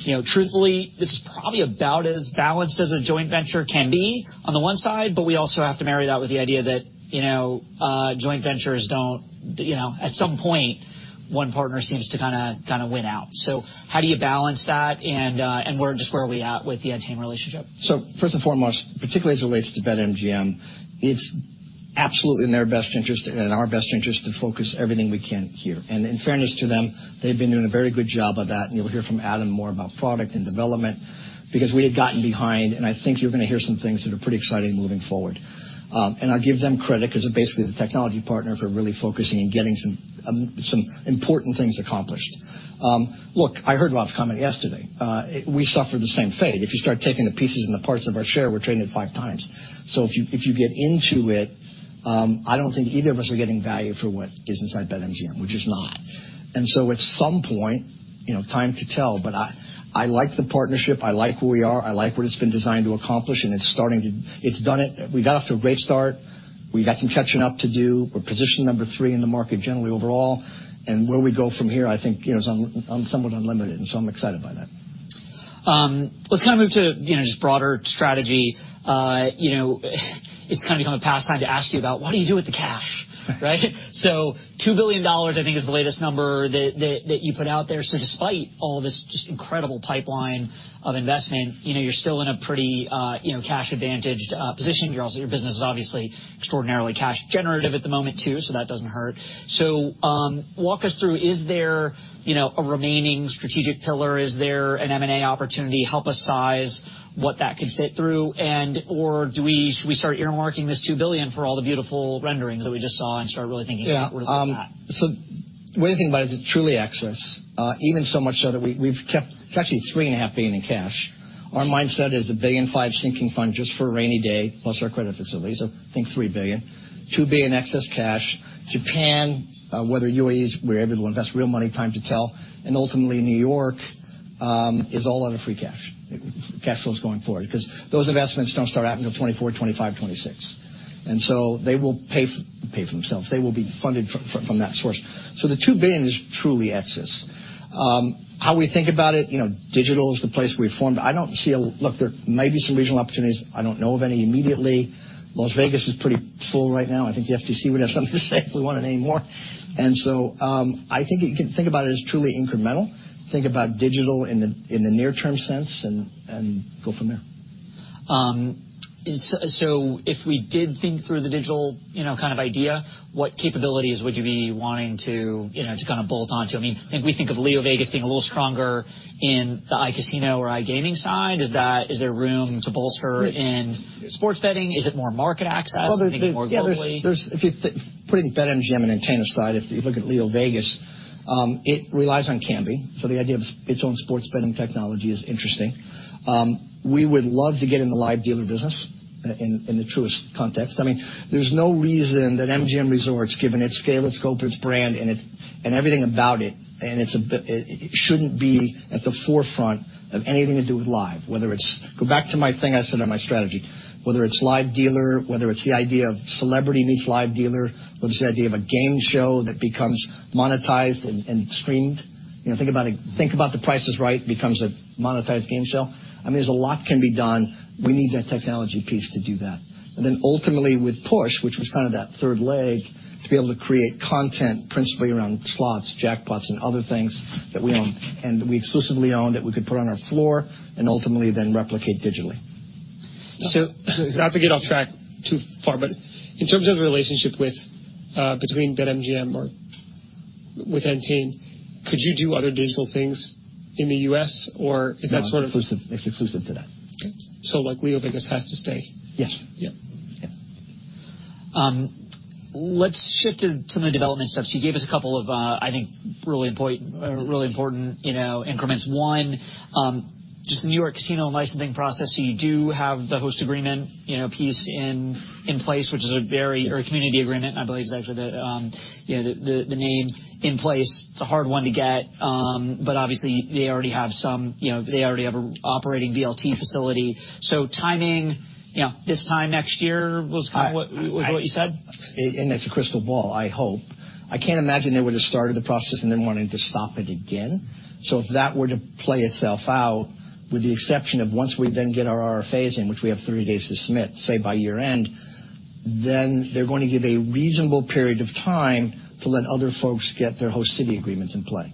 you know, truthfully, this is probably about as balanced as a joint venture can be on the one side, but we also have to marry that with the idea that, you know, joint ventures don't... You know, at some point, one partner seems to kind of, kind of win out. So how do you balance that? And, and where—just where are we at with the Entain relationship? So first and foremost, particularly as it relates to BetMGM, it's absolutely in their best interest and in our best interest to focus everything we can here. And in fairness to them, they've been doing a very good job of that, and you'll hear from Adam more about product and development, because we had gotten behind, and I think you're going to hear some things that are pretty exciting moving forward. And I give them credit, because they're basically the technology partner for really focusing and getting some important things accomplished. Look, I heard Rob's comment yesterday. We suffered the same fate. If you start taking the pieces and the parts of our share, we're trading at five times. So if you, if you get into it, I don't think either of us are getting value for what is inside BetMGM, which is not. And so at some point, you know, time to tell, but I, I like the partnership. I like where we are. I like what it's been designed to accomplish, and it's starting to... It's done it. We got off to a great start. We've got some catching up to do. We're position number three in the market generally overall, and where we go from here, I think, you know, is somewhat unlimited, and so I'm excited by that. Let's kind of move to, you know, just broader strategy. You know, it's kind of become a pastime to ask you about: what do you do with the cash, right? So $2 billion, I think, is the latest number that you put out there. So despite all this just incredible pipeline of investment, you know, you're still in a pretty, you know, cash-advantaged position. You're also—your business is obviously extraordinarily cash generative at the moment, too, so that doesn't hurt. So, walk us through, is there, you know, a remaining strategic pillar? Is there an M&A opportunity? Help us size what that could fit through, and/or do we—should we start earmarking this $2 billion for all the beautiful renderings that we just saw and start really thinking- Yeah. Where they're at? So way to think about it is it's truly excess, even so much so that we've kept. It's actually $3.5 billion in cash. Our mindset is $1.5 billion sinking fund just for a rainy day, plus our credit facility, so think $3 billion. $2 billion excess cash. Japan, whether UAE, we're able to invest real money, time to tell. And ultimately, New York is all out of free cash. Cash flow is going forward because those investments don't start out until 2024, 2025, 2026. And so they will pay for themselves. They will be funded from that source. So the $2 billion is truly excess. How we think about it, you know, digital is the place we formed. I don't see a. Look, there may be some regional opportunities. I don't know of any immediately. Las Vegas is pretty full right now. I think the FTC would have something to say if we wanted any more. And so, I think you can think about it as truly incremental. Think about digital in the, in the near-term sense and, and go from there. So, so if we did think through the digital, you know, kind of idea, what capabilities would you be wanting to, you know, to kind of build onto? I mean, we think of LeoVegas being a little stronger in the iCasino or iGaming side. Is that, is there room to bolster in sports betting? Is it more market access, maybe more globally? There's, if you're putting BetMGM and Entain aside, if you look at LeoVegas, it relies on Kambi, so the idea of its own sports betting technology is interesting. We would love to get in the live dealer business in, in the truest context. I mean, there's no reason that MGM Resorts, given its scale, its scope, its brand, and it, and everything about it, and it's a it, it shouldn't be at the forefront of anything to do with live, whether it's. Go back to my thing I said on my strategy, whether it's live dealer, whether it's the idea of celebrity meets live dealer, whether it's the idea of a game show that becomes monetized and, and streamed. You know, think about it, think about The Price is Right becomes a monetized game show. I mean, there's a lot can be done. We need that technology piece to do that. And then ultimately with Push, which was kind of that third leg, to be able to create content principally around slots, jackpots, and other things that we own and we exclusively own, that we could put on our floor and ultimately then replicate digitally. So not to get off track too far, but in terms of the relationship with between BetMGM or with Entain, could you do other digital things in the U.S., or is that sort of- No, it's exclusive. It's exclusive to that. Okay. So, like, LeoVegas has to stay? Yes. Yep. Yeah. Let's shift to some of the development stuff. So you gave us a couple of, I think, really important, really important, you know, increments. One, just the New York casino licensing process. So you do have the host agreement, you know, piece in place, which is a very or a community agreement, I believe is actually the, you know, the name in place. It's a hard one to get, but obviously, they already have some, you know, they already have an operating VLT facility. So timing, you know, this time next year was kind of what was what you said? And it's a crystal ball, I hope. I can't imagine they would have started the process and then wanting to stop it again. So if that were to play itself out, with the exception of once we then get our RFAs in, which we have 30 days to submit, say, by year-end, then they're going to give a reasonable period of time to let other folks get their host city agreements in play.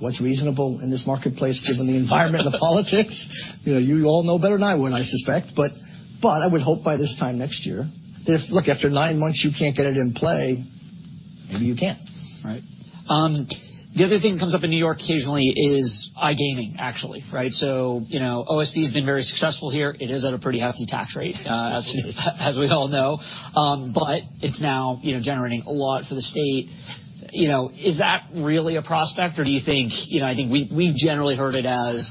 What's reasonable in this marketplace, given the environment of politics? You know, you all know better than I would, I suspect, but I would hope by this time next year. If - look, after 9 months, you can't get it in play- Maybe you can, right? The other thing that comes up in New York occasionally is iGaming, actually, right? So, you know, OSB has been very successful here. It is at a pretty hefty tax rate, as we all know, but it's now, you know, generating a lot for the state. You know, is that really a prospect, or do you think... You know, I think we, we've generally heard it as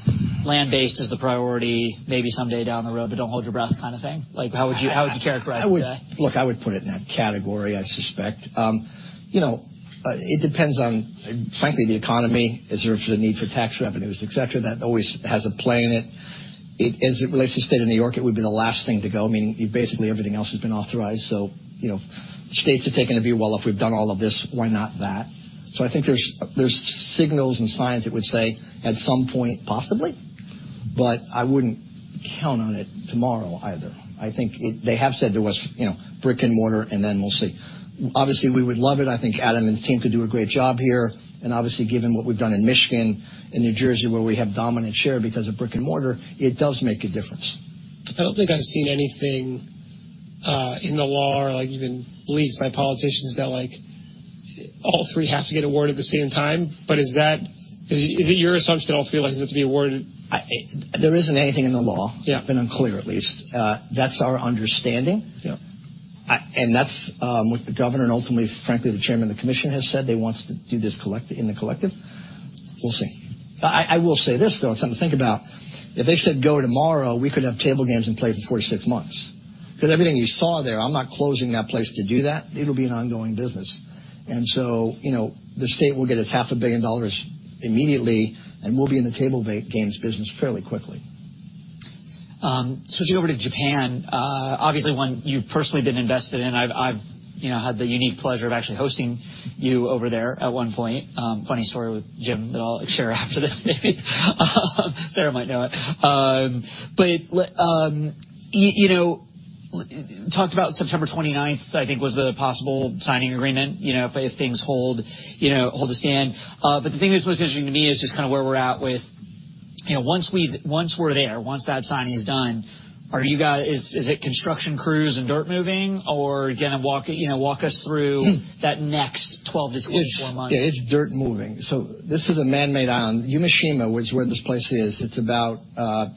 land-based as the priority, maybe someday down the road, but don't hold your breath kind of thing. Like, how would you, how would you characterize that? I would. Look, I would put it in that category, I suspect. You know, it depends on, frankly, the economy. Is there a need for tax revenues, et cetera? That always has a play in it. It, as it relates to the state of New York, it would be the last thing to go. I mean, basically everything else has been authorized. So, you know, states have taken a view, well, if we've done all of this, why not that? So I think there's signals and signs that would say, at some point, possibly, but I wouldn't count on it tomorrow either. I think it. They have said there was, you know, brick-and-mortar, and then we'll see. Obviously, we would love it. I think Adam and the team could do a great job here, and obviously, given what we've done in Michigan and New Jersey, where we have dominant share because of brick-and-mortar, it does make a difference. I don't think I've seen anything in the law or like, even beliefs by politicians that, like, all three have to get awarded at the same time. But is that... Is it your assumption that all three licenses to be awarded? There isn't anything in the law- Yeah. Been unclear, at least. That's our understanding. Yeah. That's what the governor and ultimately, frankly, the chairman of the commission has said. They want us to do this collectively. We'll see. I will say this, though. It's something to think about. If they said go tomorrow, we could have table games in place in 4 months-6 months. Because everything you saw there, I'm not closing that place to do that. It'll be an ongoing business. And so, you know, the state will get its $500 million immediately, and we'll be in the table games business fairly quickly. Switching over to Japan, obviously, one you've personally been invested in. I've, you know, had the unique pleasure of actually hosting you over there at one point. Funny story with Jim that I'll share after this, maybe. Sarah might know it. But you know, talked about September 29th, I think was the possible signing agreement, you know, if things hold, you know, hold to stand. But the thing that's most interesting to me is just kind of where we're at with... You know, once we're there, once that signing is done, is it construction crews and dirt moving, or again, you know, walk us through that next 12-24 months? It's dirt moving. So this is a man-made island. Yumeshima, which is where this place is, it's about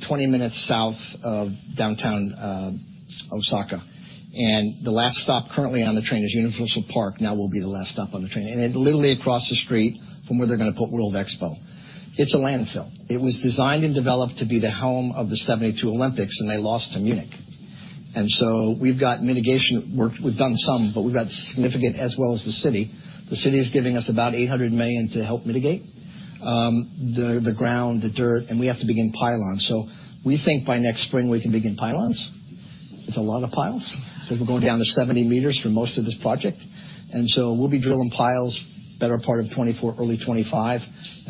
20 minutes south of downtown Osaka. And the last stop currently on the train is Universal Park. Now, will be the last stop on the train. And it literally across the street from where they're going to put World Expo. It's a landfill. It was designed and developed to be the home of the 1972 Olympics, and they lost to Munich. And so we've got mitigation work. We've done some, but we've got significant as well as the city. The city is giving us about $800 million to help mitigate the ground, the dirt, and we have to begin pylons. So we think by next spring, we can begin pylons. It's a lot of piles. We're going down to 70 meters for most of this project, and so we'll be drilling piles better part of 2024, early 2025,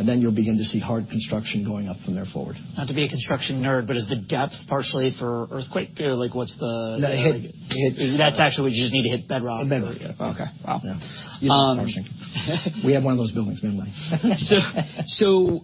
and then you'll begin to see hard construction going up from there forward. Not to be a construction nerd, but is the depth partially for earthquake? Like, what's the- The hit. That's actually, we just need to hit bedrock. The bedrock. Okay. Wow! Yeah. Um. We have one of those buildings, anyway. So,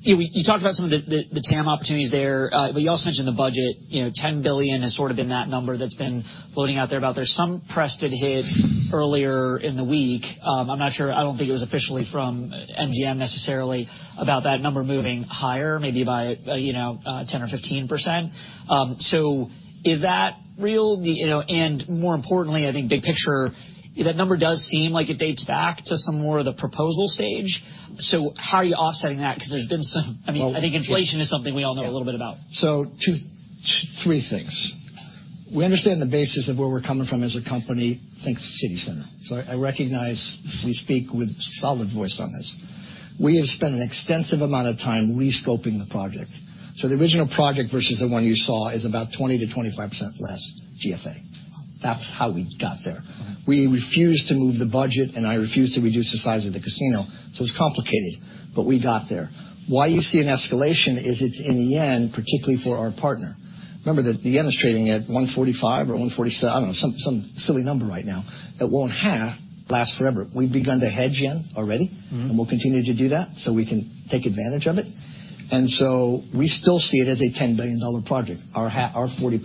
you talked about some of the TAM opportunities there, but you also mentioned the budget. You know, $10 billion has sort of been that number that's been floating out there, but there's some press that hit earlier in the week. I'm not sure. I don't think it was officially from MGM necessarily, about that number moving higher, maybe by, you know, 10% or 15%. So is that real? You know, and more importantly, I think big picture, that number does seem like it dates back to some more of the proposal stage. So how are you offsetting that? Because there's been some... I mean, I think inflation is something we all know a little bit about. Two, three things. We understand the basis of where we're coming from as a company, think CityCenter. I recognize we speak with solid voice on this. We have spent an extensive amount of time re-scoping the project. The original project versus the one you saw is about 20%-25% less GFA. That's how we got there. We refused to move the budget, and I refused to reduce the size of the casino, so it's complicated, but we got there. Why you see an escalation is it's in the end, particularly for our partner. Remember that the yen is trading at 145 or 147—I don't know, some, some silly number right now. It won't last forever. We've begun to hedge in already. Mm-hmm. and we'll continue to do that, so we can take advantage of it. And so we still see it as a $10 billion project. Our half, our 40%,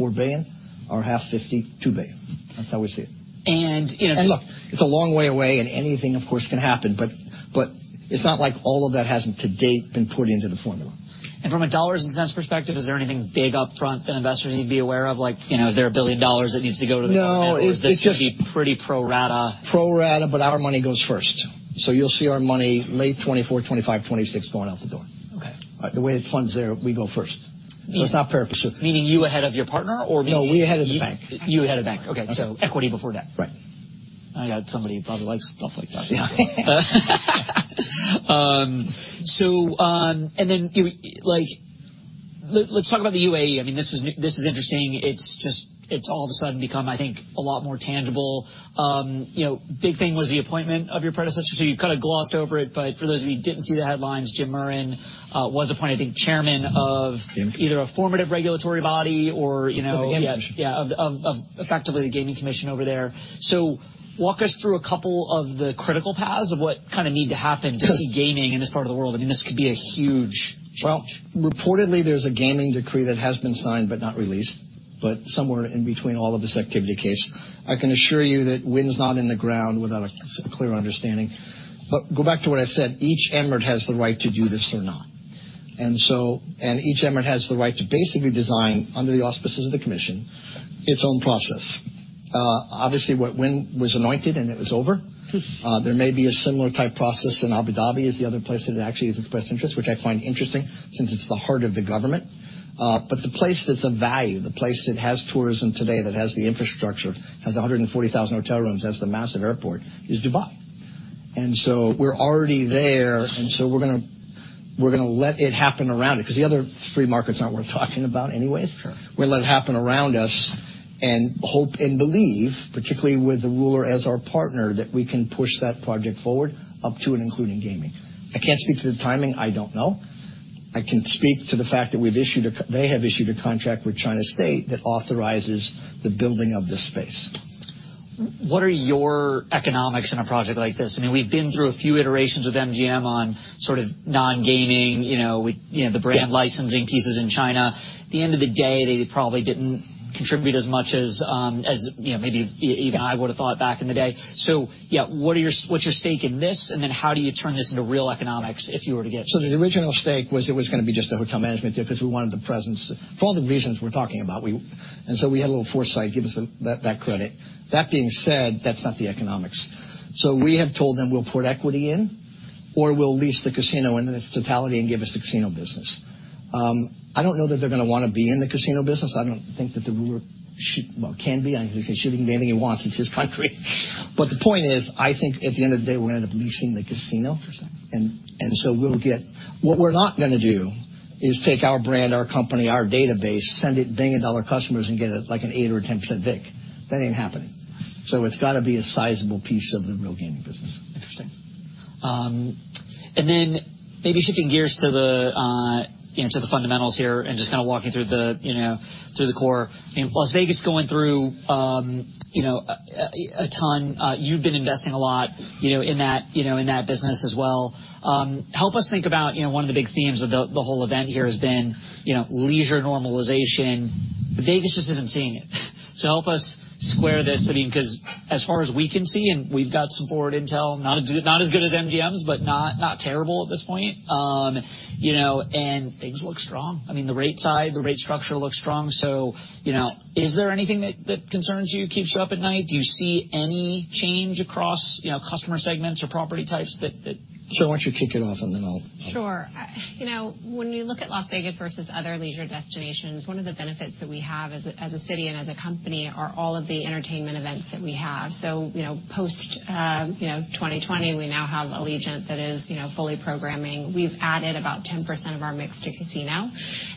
$4 billion, our half 50, $2 billion. That's how we see it. And, you know- And look, it's a long way away, and anything, of course, can happen, but, but it's not like all of that hasn't to date, been put into the formula. And from a dollars and cents perspective, is there anything big upfront that investors need to be aware of? Like, you know, is there $1 billion that needs to go to the government? No. Or is this going to be pretty pro rata? Pro rata, but our money goes first. So you'll see our money late 2024, 2025, 2026, going out the door. Okay. The way it funds there, we go first. It's not fair pursuit. Meaning you're ahead of your partner, or meaning- No, we're ahead of the bank. You ahead of bank. Okay. Okay. Equity before debt. Right. I got somebody who probably likes stuff like that. Yeah. So, and then, like, let's talk about the UAE. I mean, this is, this is interesting. It's just—it's all of a sudden become, I think, a lot more tangible. You know, big thing was the appointment of your predecessor, so you kind of glossed over it, but for those of you who didn't see the headlines, Jim Murren was appointed, I think, chairman of either a formative regulatory body or, you know- Of the gaming commission. Yeah, effectively, the gaming commission over there. So walk us through a couple of the critical paths of what kind of need to happen to see gaming in this part of the world. I mean, this could be a huge... Well, reportedly, there's a gaming decree that has been signed but not released, but somewhere in between all of this activity, Case. I can assure you that Wynn's not in the ground without a clear understanding. But go back to what I said: Each emirate has the right to do this or not. And so and each emirate has the right to basically design, under the auspices of the commission, its own process. Obviously, what Wynn was anointed, and it was over. There may be a similar type process in Abu Dhabi, is the other place that actually has expressed interest, which I find interesting since it's the heart of the government. But the place that's of value, the place that has tourism today, that has the infrastructure, has 140,000 hotel rooms, has the massive airport, is Dubai. And so we're already there, and so we're gonna, we're gonna let it happen around it, because the other three markets are not worth talking about anyways. Sure. We'll let it happen around us and hope and believe, particularly with the ruler as our partner, that we can push that project forward, up to and including gaming. I can't speak to the timing. I don't know. I can speak to the fact that they've issued a contract with China State that authorizes the building of this space. What are your economics in a project like this? I mean, we've been through a few iterations with MGM on sort of non-gaming, you know, with, you know, the brand licensing pieces in China. At the end of the day, they probably didn't contribute as much as, as, you know, maybe even I would have thought back in the day. So, yeah, what are your, what's your stake in this, and then how do you turn this into real economics if you were to get it? So the original stake was it was gonna be just a hotel management deal because we wanted the presence, for all the reasons we're talking about. We-- and so we had a little foresight, give us that credit. That being said, that's not the economics. So we have told them we'll put equity in, or we'll lease the casino in its totality and give us the casino business. I don't know that they're going to want to be in the casino business. I don't think that the ruler should-- well, can be. He can, should be anything he wants. It's his country. But the point is, I think at the end of the day, we're going to end up leasing the casino. Sure. What we're not going to do is take our brand, our company, our database, send it billion-dollar customers and get it, like an 8% or 10% vig. That ain't happening. So it's got to be a sizable piece of the real gaming business. Interesting. And then maybe shifting gears to the, you know, to the fundamentals here and just kind of walking through the, you know, through the core. In Las Vegas, going through, you know, a ton, you've been investing a lot, you know, in that, you know, in that business as well. Help us think about, you know, one of the big themes of the whole event here has been, you know, leisure normalization. Vegas just isn't seeing it. So help us square this, I mean, because as far as we can see, and we've got some board intel, not as good as MGM's, but not terrible at this point. You know, and things look strong. I mean, the rate side, the rate structure looks strong. You know, is there anything that, that concerns you, keeps you up at night? Do you see any change across, you know, customer segments or property types that, that- Sure, why don't you kick it off, and then I'll- Sure. You know, when you look at Las Vegas versus other leisure destinations, one of the benefits that we have as a city and as a company are all of the entertainment events that we have. So, you know, post 2020, we now have Allegiant that is, you know, fully programming. We've added about 10% of our mix to casino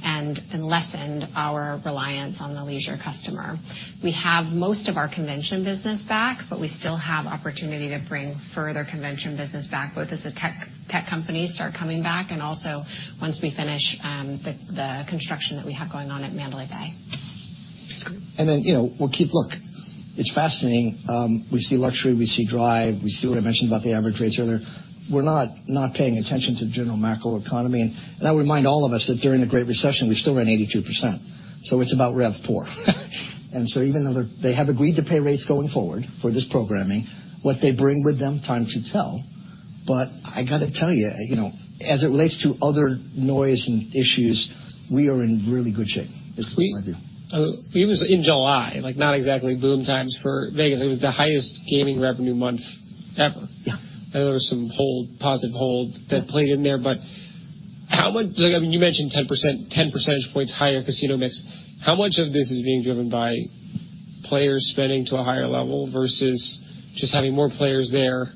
and lessened our reliance on the leisure customer. We have most of our convention business back, but we still have opportunity to bring further convention business back, both as the tech companies start coming back and also once we finish the construction that we have going on at Mandalay Bay. Then, you know, we'll keep looking. Look, it's fascinating. We see luxury, we see drive, we see what I mentioned about the average rates earlier. We're not, not paying attention to the general macro economy. And I would remind all of us that during the Great Recession, we still ran 82%, so it's about RevPAR. And so even though they, they have agreed to pay rates going forward for this programming, what they bring with them, time will tell. But I got to tell you, you know, as it relates to other noise and issues, we are in really good shape. We- Yeah. It was in July, like, not exactly boom times for Vegas. It was the highest gaming revenue month ever. Yeah. There were some hold, positive hold that played in there, but how much... I mean, you mentioned 10%, 10 percentage points higher casino mix. How much of this is being driven by players spending to a higher level versus just having more players there?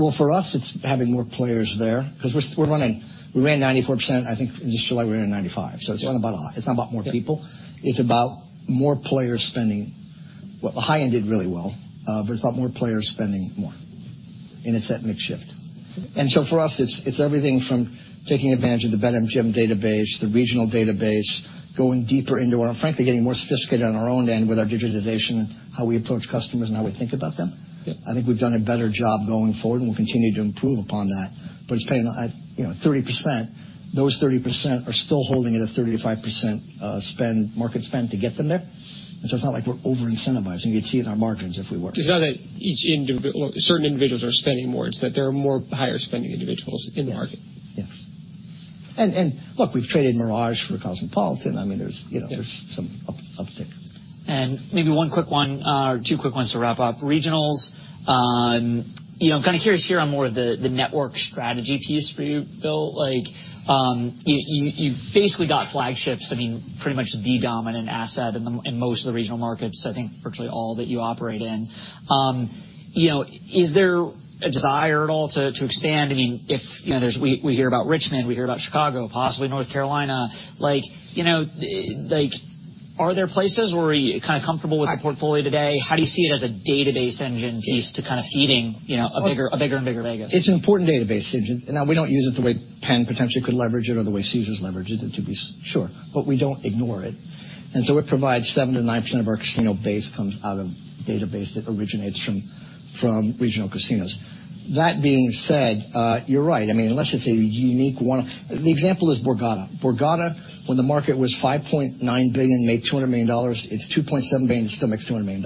Well, for us, it's having more players there because we're running, we ran 94%. I think just July, we ran 95%. Yeah. It's not about a lot. It's not about more people. Yeah. It's about more players spending. Well, the high end did really well, but it's about more players spending more, and it's that mix shift. And so for us, it's, it's everything from taking advantage of the BetMGM database, the regional database, going deeper into our, frankly, getting more sophisticated on our own end with our digitization and how we approach customers and how we think about them. Yeah. I think we've done a better job going forward, and we'll continue to improve upon that. But it's paying, you know, 30%. Those thirty percent are still holding it at 35% spend, market spend to get them there. And so it's not like we're over-incentivizing. You'd see it in our margins if we were. It's not that each individual or certain individuals are spending more, it's that there are more higher-spending individuals in the market. Yes. Yes. And look, we've traded Mirage for Cosmopolitan. I mean, there's, you know, there's some uptick. Maybe one quick one, two quick ones to wrap up. Regionals, you know, I'm kind of curious here on more of the network strategy piece for you, Bill. Like, you've basically got flagships, I mean, pretty much the dominant asset in the regional markets, I think virtually all that you operate in. You know, is there a desire at all to expand? I mean, if, you know, there's—we hear about Richmond, we hear about Chicago, possibly North Carolina. Like, you know, are there places where you're kind of comfortable with the portfolio today? How do you see it as a database engine piece to kind of feeding, you know, a bigger and bigger Vegas? It's an important database engine. Now, we don't use it the way Penn potentially could leverage it or the way Caesars leverages it, to be sure, but we don't ignore it. And so it provides 7%-9% of our casino base comes out of database that originates from, from regional casinos. That being said, you're right. I mean, unless it's a unique one. The example is Borgata. Borgata, when the market was $5.9 billion, made $200 million. It's $2.7 billion, it still makes $200 million.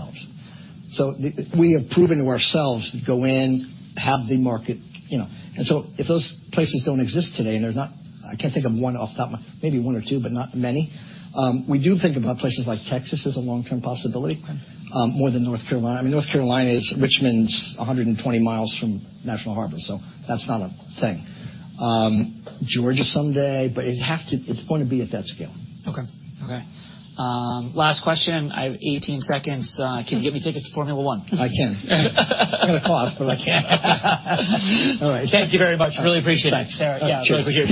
So the, we have proven to ourselves to go in, have the market, you know. And so if those places don't exist today, and there's not. I can't think of one off the top, maybe one or two, but not many. We do think about places like Texas as a long-term possibility, more than North Carolina. I mean, North Carolina is, Richmond's 120 miles from National Harbor, so that's not a thing. Georgia someday, but it's going to be at that scale. Okay. Okay. Last question. I have 18 seconds. Can you get me tickets to Formula One? I can. They're gonna cost, but I can. All right. Thank you very much. Really appreciate it. Thanks. Sarah. Yeah, over here.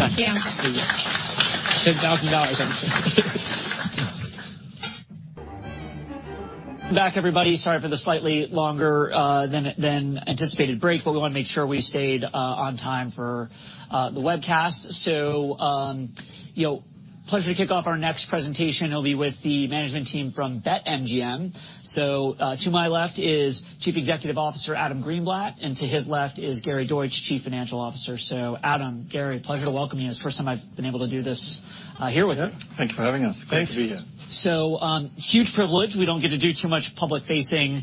Save $1,000. Back, everybody. Sorry for the slightly longer than anticipated break, but we want to make sure we stayed on time for the webcast. So, you know, pleasure to kick off our next presentation. It'll be with the management team from BetMGM. So, to my left is Chief Executive Officer Adam Greenblatt, and to his left is Gary Deutsch, Chief Financial Officer. So Adam, Gary, pleasure to welcome you. It's the first time I've been able to do this here with you. Thank you for having us. Thanks. Great to be here. So, huge privilege. We don't get to do too much public-facing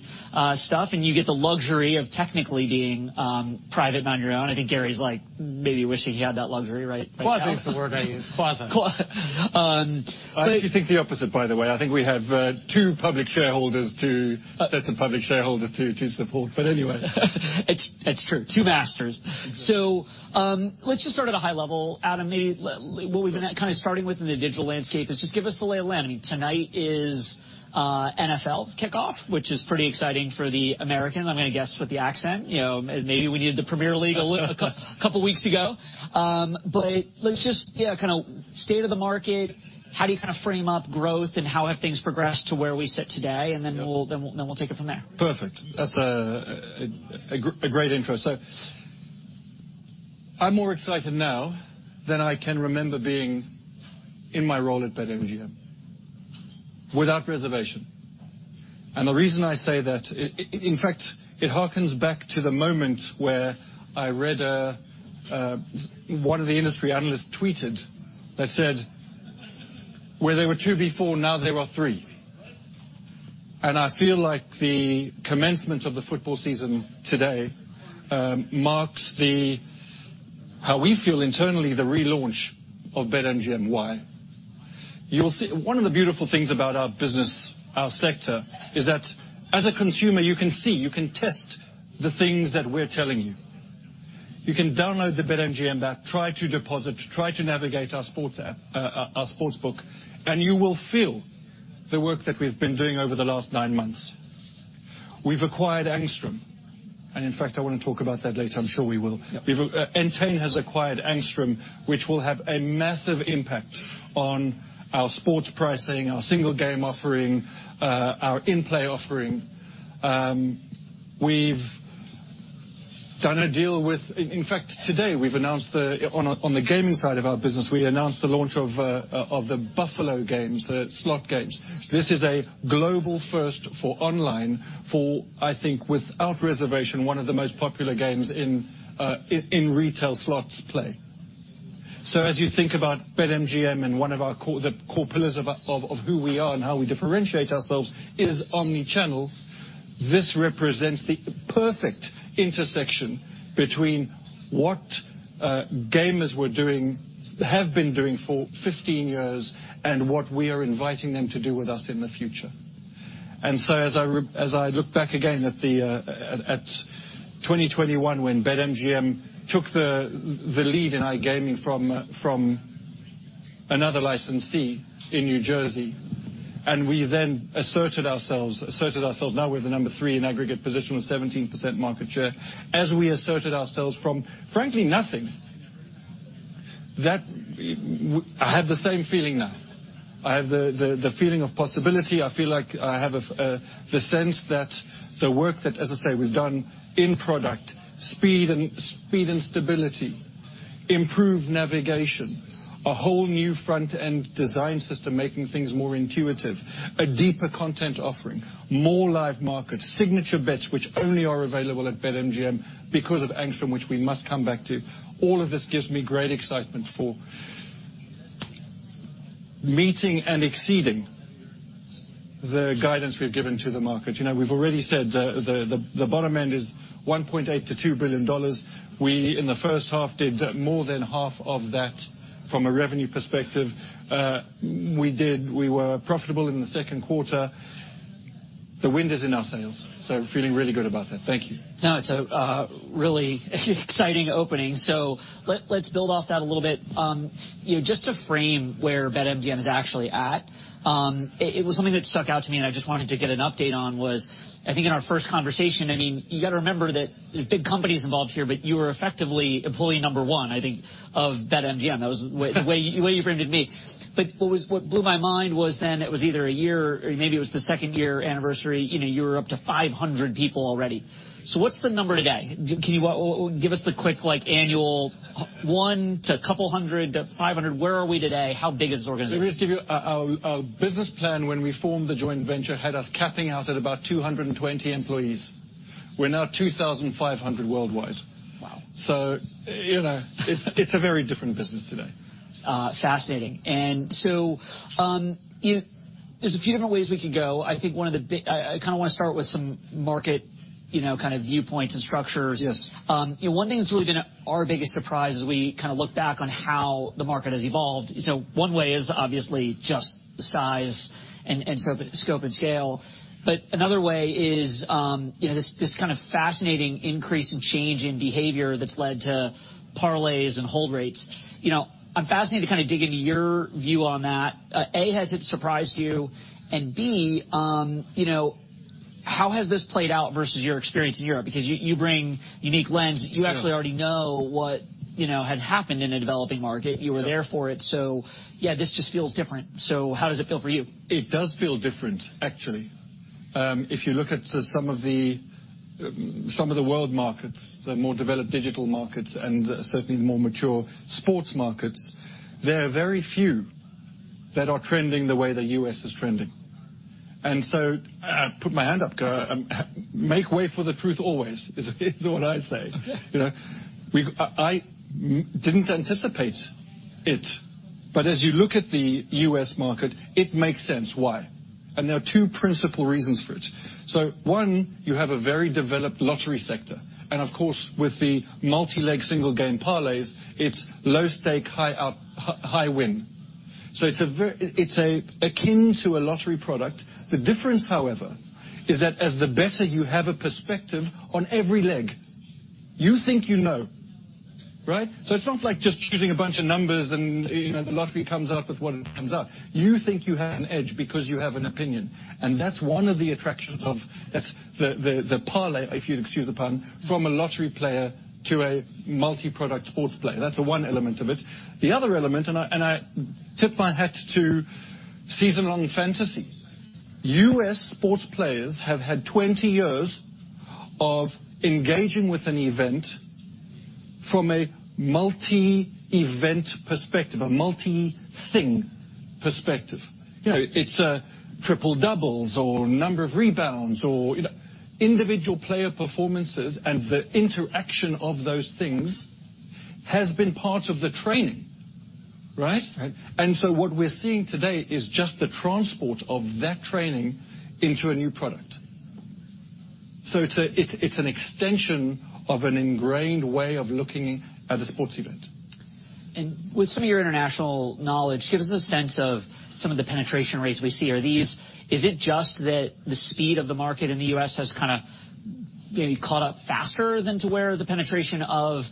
stuff, and you get the luxury of technically being private and on your own. I think Gary's like, maybe wishing he had that luxury right, right now. Quasi is the word I use. Quasi. Um- I actually think the opposite, by the way. I think we have two public shareholders to- Uh-... sets of public shareholders to, to support. But anyway. It's true. Two masters. Exactly. So, let's just start at a high level, Adam. Maybe what we've been kind of starting with in the digital landscape is just give us the lay of the land. I mean, tonight is NFL kickoff, which is pretty exciting for the Americans, I'm going to guess, with the accent. You know, maybe we needed the Premier League a couple weeks ago. But let's just, yeah, kind of state of the market. How do you kind of frame up growth, and how have things progressed to where we sit today? Yeah. And then we'll take it from there. Perfect. That's a great intro. So I'm more excited now than I can remember being in my role at BetMGM, without reservation. And the reason I say that, in fact, it harkens back to the moment where I read one of the industry analysts tweeted that said, "Where there were two before, now there are three." And I feel like the commencement of the football season today marks how we feel internally the relaunch of BetMGM. Why? You'll see, one of the beautiful things about our business, our sector, is that as a consumer, you can see, you can test the things that we're telling you. You can download the BetMGM app, try to deposit, try to navigate our sports app, our sports book, and you will feel the work that we've been doing over the last nine months. We've acquired Angstrom, and in fact, I want to talk about that later. I'm sure we will. Yeah. We've, Entain has acquired Angstrom, which will have a massive impact on our sports pricing, our single game offering, our in-play offering. We've done a deal with... In fact, today, we've announced the, on the gaming side of our business, we announced the launch of the Buffalo games, slot games. This is a global first for online for, I think, without reservation, one of the most popular games in, in retail slots play. As you think about BetMGM and one of our core, the core pillars of, of, of who we are and how we differentiate ourselves is omni-channel. This represents the perfect intersection between what gamers were doing, have been doing for 15 years and what we are inviting them to do with us in the future. And so as I look back again at the 2021, when BetMGM took the lead in iGaming from another licensee in New Jersey, and we then asserted ourselves, asserted ourselves. Now we're the number three in aggregate position with 17% market share, as we asserted ourselves from, frankly, nothing. That, I have the same feeling now. I have the feeling of possibility. I feel like I have a sense that the work that, as I say, we've done in product, speed and, speed and stability, improved navigation, a whole new front-end design system, making things more intuitive, a deeper content offering, more live markets, signature bets, which only are available at BetMGM because of Angstrom, which we must come back to. All of this gives me great excitement for meeting and exceeding the guidance we've given to the market. You know, we've already said the bottom end is $1.8 billion-$2 billion. We, in the first half, did more than half of that from a revenue perspective. We were profitable in the second quarter. The wind is in our sails, so feeling really good about that. Thank you. No, it's a really exciting opening. So let's build off that a little bit. You know, just to frame where BetMGM is actually at, it was something that stuck out to me, and I just wanted to get an update on was, I think in our first conversation, I mean, you got to remember that there's big companies involved here, but you were effectively employee number one, I think, of BetMGM. That was the way you framed it to me. But what blew my mind was then it was either a year, or maybe it was the second year anniversary, you know, you were up to 500 people already. So what's the number today? Can you give us the quick, like, annual, 1 to a couple hundred to 500. Where are we today? How big is the organization? Let me just give you... Our business plan, when we formed the joint venture, had us capping out at about 220 employees. We're now 2,500 worldwide.... So, you know, it's a very different business today. Fascinating. And so, you know, there's a few different ways we could go. I think one of the big. I kind of want to start with some market, you know, kind of viewpoints and structures. Yes. One thing that's really been our biggest surprise as we kind of look back on how the market has evolved, so one way is obviously just size and scope and scale. But another way is, you know, this kind of fascinating increase in change in behavior that's led to parlays and hold rates. You know, I'm fascinated to kind of dig into your view on that. A, has it surprised you? And B, you know, how has this played out versus your experience in Europe? Because you bring unique lens. You actually already know what, you know, had happened in a developing market. You were there for it. So, yeah, this just feels different. So how does it feel for you? It does feel different, actually. If you look at some of the world markets, the more developed digital markets, and certainly the more mature sports markets, there are very few that are trending the way the U.S. is trending. And so I put my hand up, make way for the truth always, is, is what I say. You know, we've—I, I didn't anticipate it, but as you look at the U.S. market, it makes sense why. And there are two principal reasons for it. So one, you have a very developed lottery sector, and of course, with the multi-leg, single-game parlays, it's low stake, high upside, high win. So it's a very—it's akin to a lottery product. The difference, however, is that as the bettor you have a perspective on every leg, you think you know, right? So it's not like just choosing a bunch of numbers and, you know, the lottery comes out with what it comes out. You think you have an edge because you have an opinion, and that's one of the attractions of... That's the, the parlay, if you'd excuse the pun, from a lottery player to a multi-product sports player. That's the one element of it. The other element, and I, and I tip my hat to season-long fantasy. U.S. sports players have had 20 years of engaging with an event from a multi-event perspective, a multi-thing perspective. You know, it's, triple doubles or number of rebounds or, you know, individual player performances, and the interaction of those things has been part of the training, right? Right. And so what we're seeing today is just the transport of that training into a new product. So it's an extension of an ingrained way of looking at a sports event. With some of your international knowledge, give us a sense of some of the penetration rates we see. Are these? Is it just that the speed of the market in the U.S. has kind of maybe caught up faster than to where the penetration of,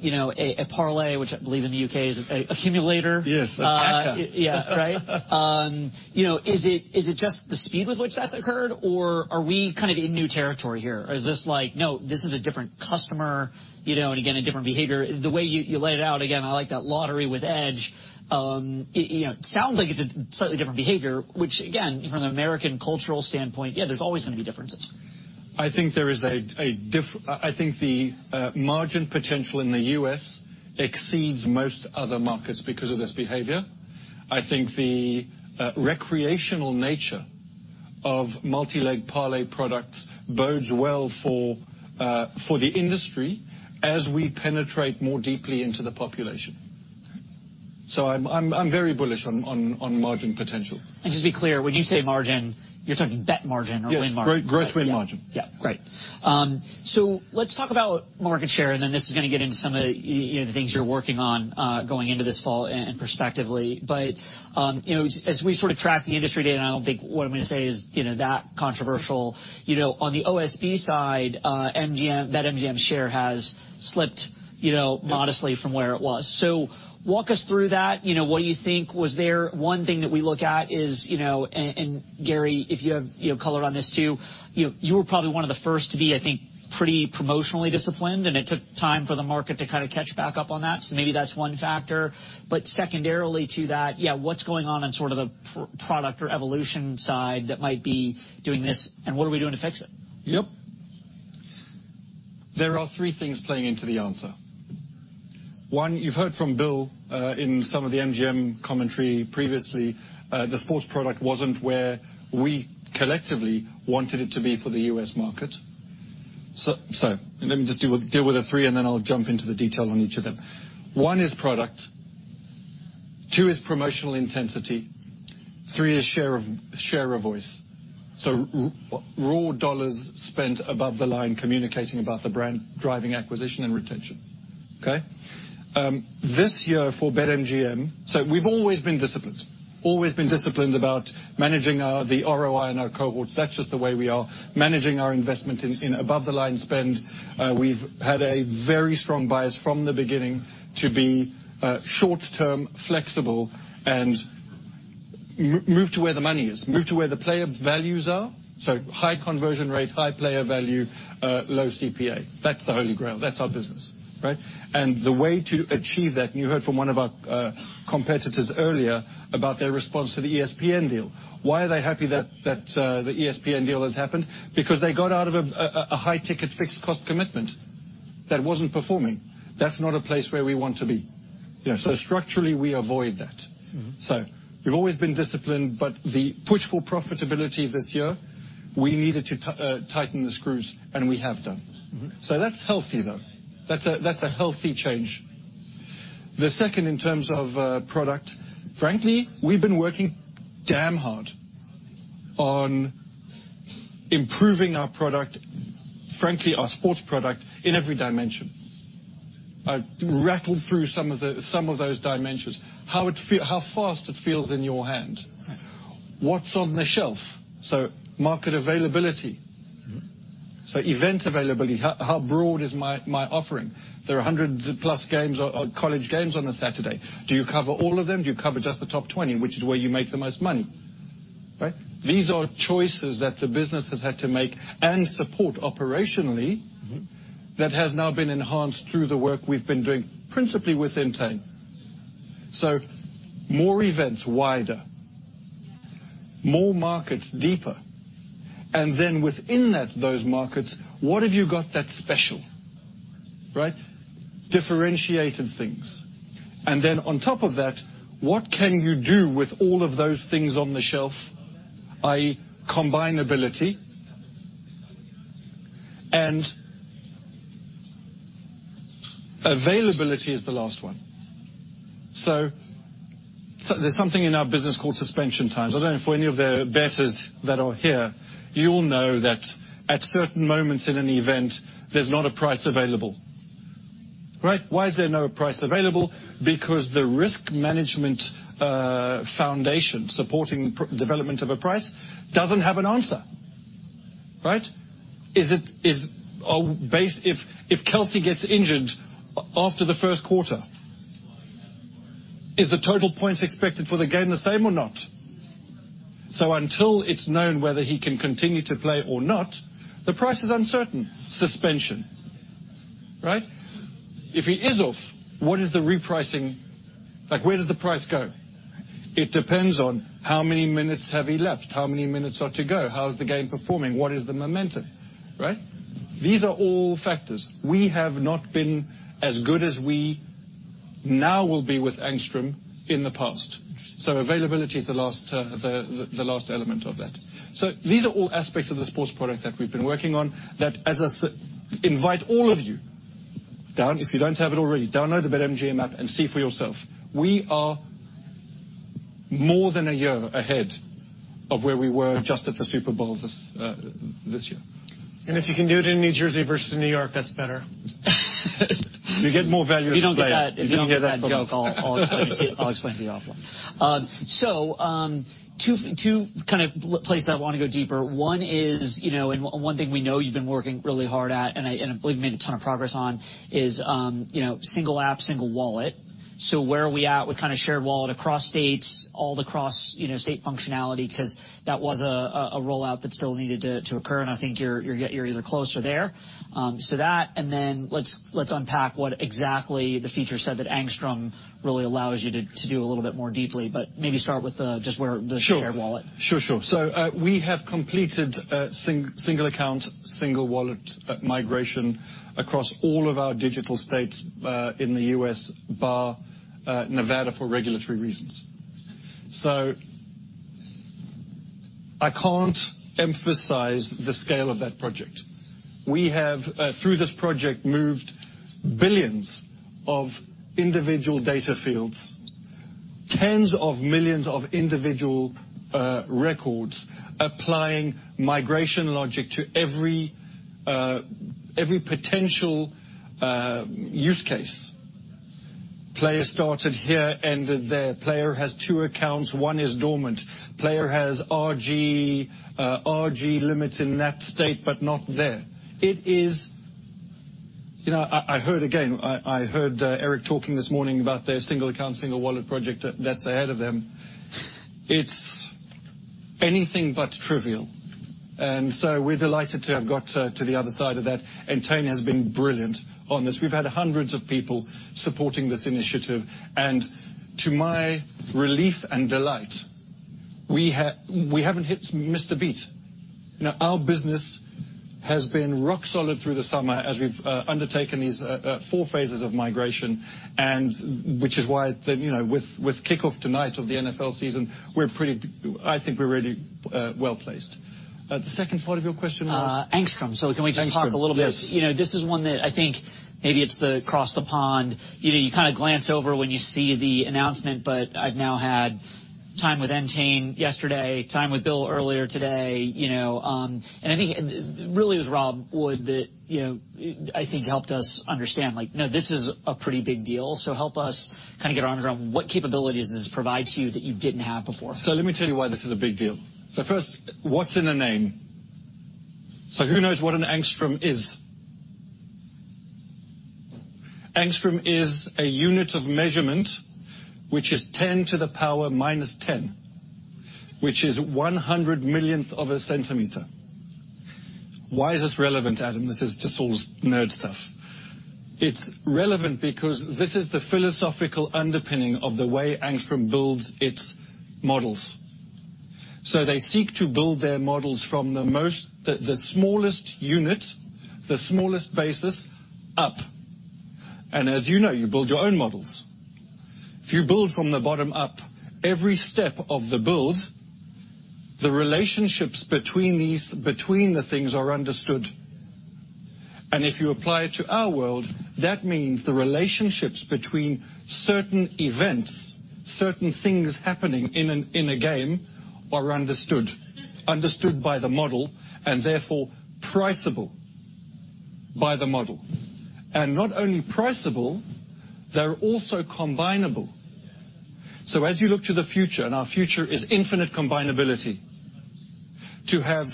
you know, a parlay, which I believe in the U.K. is an accumulator? Yes, exactly. Yeah, right. You know, is it just the speed with which that's occurred, or are we kind of in new territory here? Or is this like, no, this is a different customer, you know, and again, a different behavior? The way you laid it out, again, I like that lottery with edge. You know, it sounds like it's a slightly different behavior, which again, from an American cultural standpoint, yeah, there's always going to be differences. I think the margin potential in the U.S. exceeds most other markets because of this behavior. I think the recreational nature of multi-leg parlay products bodes well for the industry as we penetrate more deeply into the population. Right. So I'm very bullish on margin potential. Just to be clear, when you say margin, you're talking bet margin or win margin? Yes, great. Gross win margin. Yeah, great. So let's talk about market share, and then this is going to get into some of the, you know, the things you're working on, going into this fall and prospectively. But, you know, as we sort of track the industry data, and I don't think what I'm going to say is, you know, that controversial. You know, on the OSB side, MGM, BetMGM's share has slipped, you know, modestly from where it was. So walk us through that. You know, what do you think was there? One thing that we look at is, you know, Gary, if you have, you know, color on this, too, you were probably one of the first to be, I think, pretty promotionally disciplined, and it took time for the market to kind of catch back up on that. So maybe that's one factor. Secondarily to that, yeah, what's going on on sort of the product or evolution side that might be doing this, and what are we doing to fix it? Yep. There are three things playing into the answer. One, you've heard from Bill in some of the MGM commentary previously, the sports product wasn't where we collectively wanted it to be for the U.S. market. So let me just deal with the three, and then I'll jump into the detail on each of them. One is product, two is promotional intensity, three is share of voice. So raw dollars spent above the line, communicating about the brand, driving acquisition and retention. Okay? This year for BetMGM... So we've always been disciplined, always been disciplined about managing our, the ROI and our cohorts. That's just the way we are. Managing our investment in above-the-line spend, we've had a very strong bias from the beginning to be short-term, flexible, and move to where the money is, move to where the player values are. So high conversion rate, high player value, low CPA. That's the Holy Grail. That's our business, right? And the way to achieve that, and you heard from one of our competitors earlier about their response to the ESPN deal. Why are they happy that the ESPN deal has happened? Because they got out of a high-ticket, fixed-cost commitment that wasn't performing. That's not a place where we want to be.... Yeah, so structurally, we avoid that. Mm-hmm. So we've always been disciplined, but the push for profitability this year, we needed to tighten the screws, and we have done. Mm-hmm. So that's healthy, though. That's a, that's a healthy change. The second, in terms of, product, frankly, we've been working damn hard on improving our product, frankly, our sports product, in every dimension. I've rattled through some of the, some of those dimensions. How it feel—how fast it feels in your hand. Right. What's on the shelf? So market availability. Mm-hmm. So event availability, how broad is my offering? There are hundreds of plus games or college games on a Saturday. Do you cover all of them? Do you cover just the top 20, which is where you make the most money, right? These are choices that the business has had to make and support operationally- Mm-hmm. That has now been enhanced through the work we've been doing, principally with Entain. So more events, wider. More markets, deeper. And then within that, those markets, what have you got that's special, right? Differentiated things. And then on top of that, what can you do with all of those things on the shelf, i.e., combinability? And availability is the last one. So there's something in our business called suspension times. I don't know if any of the bettors that are here, you'll know that at certain moments in an event, there's not a price available, right? Why is there no price available? Because the risk management foundation supporting price development of a price doesn't have an answer, right? If Kelce gets injured after the first quarter, is the total points expected for the game the same or not? So until it's known whether he can continue to play or not, the price is uncertain. Suspension, right? If he is off, what is the repricing? Like, where does the price go? It depends on how many minutes have elapsed, how many minutes are to go, how is the game performing, what is the momentum, right? These are all factors. We have not been as good as we now will be with Angstrom in the past. So availability is the last element of that. So these are all aspects of the sports product that we've been working on, that as I said, invite all of you down, if you don't have it already, download the BetMGM app and see for yourself. We are more than a year ahead of where we were just at the Super Bowl this year. If you can do it in New Jersey versus in New York, that's better. You get more value. If you don't get that, if you don't get that joke, I'll explain to you after. So, two kind of places I want to go deeper. One is, you know, one thing we know you've been working really hard at, and I believe you made a ton of progress on, is, you know, single app, single wallet. So where are we at with kind of shared wallet across states, all the cross, you know, state functionality? Because that was a rollout that still needed to occur, and I think you're either close or there. So that, and then let's unpack what exactly the feature set that Angstrom really allows you to do a little bit more deeply, but maybe start with just where the shared wallet. Sure. Sure, sure. So, we have completed single account, single wallet migration across all of our digital states in the US, bar Nevada, for regulatory reasons. So I can't emphasize the scale of that project. We have, through this project, moved billions of individual data fields, tens of millions of individual records, applying migration logic to every potential use case. Player started here, ended there. Player has two accounts, one is dormant. Player has RG, RG limits in that state, but not there. It is... You know, I heard Eric talking this morning about their single account, single wallet project that's ahead of them. It's anything but trivial, and so we're delighted to have got to the other side of that, and Tony has been brilliant on this. We've had hundreds of people supporting this initiative, and to my relief and delight, we haven't missed a beat. You know, our business has been rock solid through the summer as we've undertaken these four phases of migration, and which is why, you know, with kickoff tonight of the NFL season, we're pretty... I think we're really well-placed. The second part of your question was? Uh, Angstrom. Angstrom. Can we just talk a little bit? Yes. You know, this is one that I think maybe it's the across the pond, you know, you kind of glance over when you see the announcement, but I've now had time with Entain yesterday, time with Bill earlier today, you know, and I think it, it really was Rob Wood that, you know, I think helped us understand, like, no, this is a pretty big deal. So help us kind of get our arms around what capabilities this provides you that you didn't have before. So let me tell you why this is a big deal. So first, what's in a name? So who knows what an Angstrom is? Angstrom is a unit of measurement, which is 10 to the power -10, which is one hundred millionth of a centimeter. Why is this relevant, Adam? This is just all nerd stuff. It's relevant because this is the philosophical underpinning of the way Angstrom builds its models. So they seek to build their models from the most smallest unit, the smallest basis up. And as you know, you build your own models. If you build from the bottom up, every step of the build, the relationships between these, between the things are understood. And if you apply it to our world, that means the relationships between certain events, certain things happening in an, in a game, are understood, understood by the model, and therefore priceable by the model. And not only priceable, they're also combinable. So as you look to the future, and our future is infinite combinability, to have,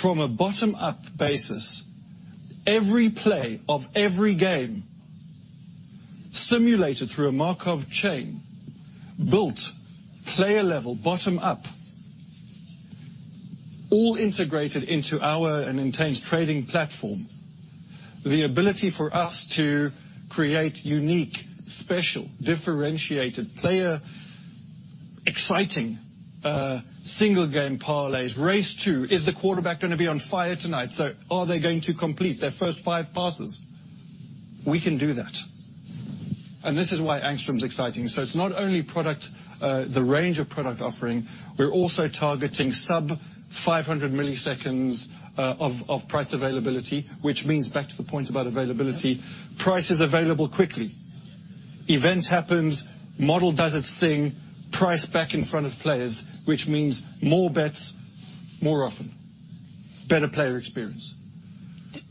from a bottom-up basis, every play of every game simulated through a Markov Chain, built player-level, bottom up, all integrated into our and Entain's trading platform. The ability for us to create unique, special, differentiated, player, exciting, single game parlays. Race two, is the quarterback going to be on fire tonight? So are they going to complete their first five passes? We can do that. And this is why Angstrom's exciting. So it's not only product, the range of product offering, we're also targeting sub-500 milliseconds of price availability, which means back to the point about availability, price is available quickly. Event happens, model does its thing, price back in front of players, which means more bets, more often, better player experience.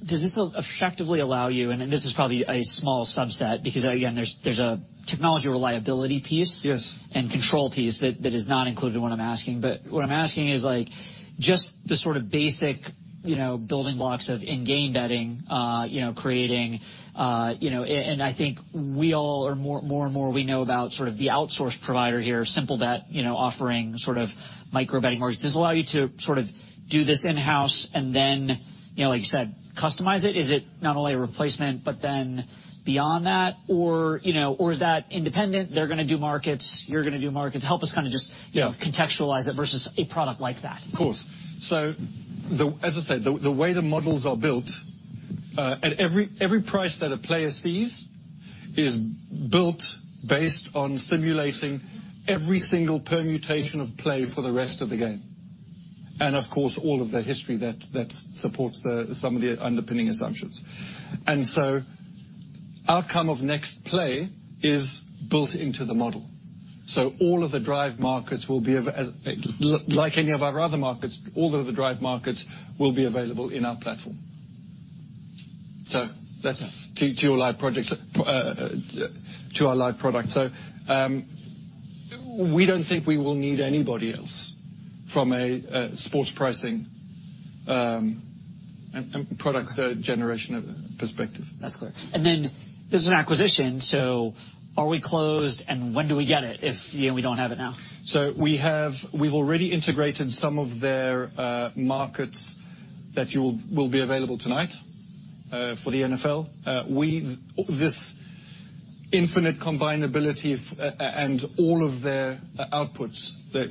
Does this effectively allow you, and this is probably a small subset, because, again, there's a technology reliability piece- Yes. and control piece that is not included in what I'm asking. But what I'm asking is, like, just the sort of basic, you know, building blocks of in-game betting, you know, creating... And I think we all are—more and more, we know about sort of the outsource provider here, Simplebet, you know, offering sort of micro betting markets. Does this allow you to sort of do this in-house and then, you know, like you said, customize it? Is it not only a replacement, but then beyond that, or, you know, or is that independent? They're going to do markets, you're going to do markets. Help us kind of just- Yeah. contextualize it versus a product like that. Of course. As I said, the way the models are built, and every price that a player sees is built based on simulating every single permutation of play for the rest of the game. Of course, all of the history that supports some of the underpinning assumptions. Outcome of next play is built into the model. All of the drive markets will be, like any of our other markets, available in our platform. That's to your live project, to our live product. We don't think we will need anybody else from a sports pricing and product generation perspective. That's clear. And then, this is an acquisition, so are we closed, and when do we get it if, you know, we don't have it now? So we've already integrated some of their markets that will be available tonight for the NFL. This infinite combinability and all of their outputs, the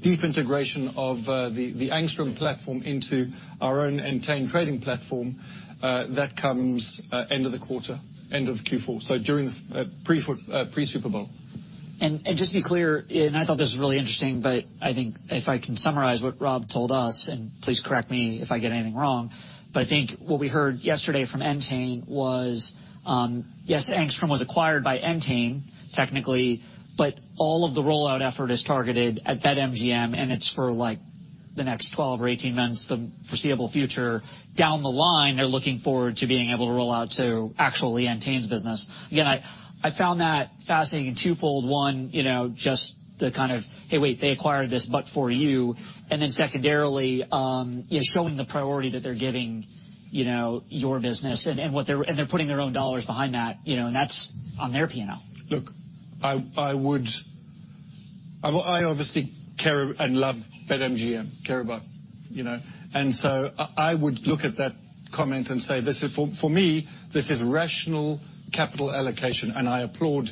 deep integration of the Angstrom platform into our own Entain trading platform, that comes end of the quarter, end of Q4, so during pre-Super Bowl. Just to be clear, and I thought this was really interesting, but I think if I can summarize what Rob told us, and please correct me if I get anything wrong, but I think what we heard yesterday from Entain was, yes, Angstrom was acquired by Entain, technically, but all of the rollout effort is targeted at BetMGM, and it's for, like, the next 12 or 18 months, the foreseeable future. Down the line, they're looking forward to being able to roll out to actually Entain's business. Again, I found that fascinating in twofold. One, you know, just the kind of, "Hey, wait, they acquired this, but for you," and then secondarily, showing the priority that they're giving, you know, your business and what they're and they're putting their own dollars behind that, you know, and that's on their P&L. Look, I would obviously care and love BetMGM, care about, you know, and so I would look at that comment and say, this is, for me, this is rational capital allocation, and I applaud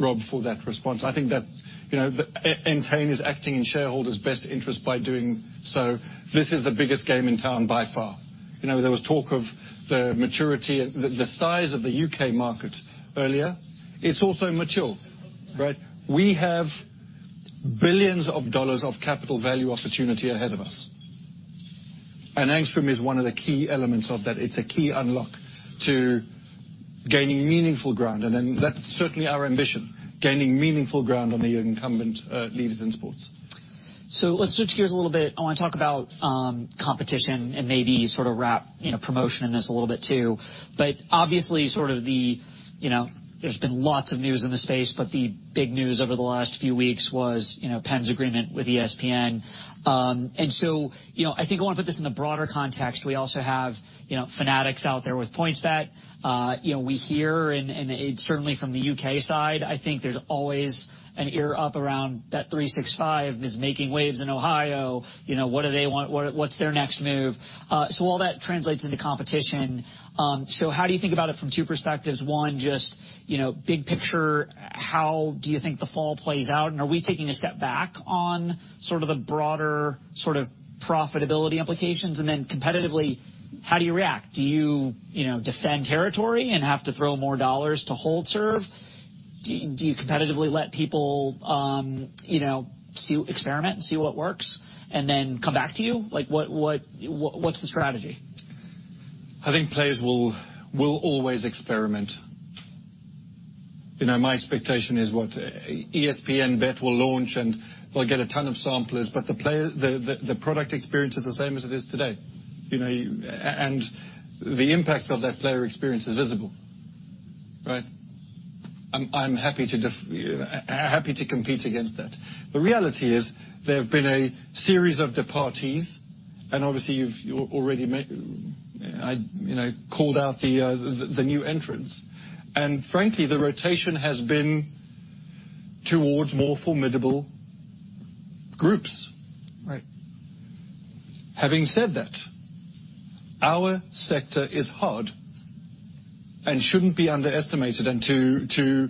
Rob for that response. I think that, you know, that Entain is acting in shareholders' best interest by doing so. This is the biggest game in town by far. You know, there was talk of the maturity, the, the size of the UK market earlier. It's also mature, right? We have billions of dollars of capital value opportunity ahead of us, and Angstrom is one of the key elements of that. It's a key unlock to gaining meaningful ground, and then that's certainly our ambition, gaining meaningful ground on the incumbent leaders in sports. So let's switch gears a little bit. I want to talk about competition and maybe sort of wrap, you know, promotion in this a little bit too. But obviously, sort of the, you know, there's been lots of news in the space, but the big news over the last few weeks was, you know, Penn's agreement with ESPN. And so, you know, I think I want to put this in the broader context. We also have, you know, Fanatics out there with PointsBet. You know, we hear, and certainly from the UK side, I think there's always an ear up around bet365 is making waves in Ohio.... you know, what do they want? What, what's their next move? So all that translates into competition. So how do you think about it from two perspectives? One, just, you know, big picture, how do you think the fall plays out? And are we taking a step back on sort of the broader sort of profitability implications? And then competitively, how do you react? Do you, you know, defend territory and have to throw more dollars to hold serve? Do you competitively let people, you know, see experiment and see what works, and then come back to you? Like, what, what's the strategy? I think players will always experiment. You know, my expectation is, what, ESPN BET will launch, and they'll get a ton of samplers, but the player—the product experience is the same as it is today, you know, and the impact of that player experience is visible, right? I'm happy to compete against that. The reality is there have been a series of departees, and obviously, you've already made... I, you know, called out the new entrants. And frankly, the rotation has been towards more formidable groups. Right. Having said that, our sector is hard and shouldn't be underestimated. And to, to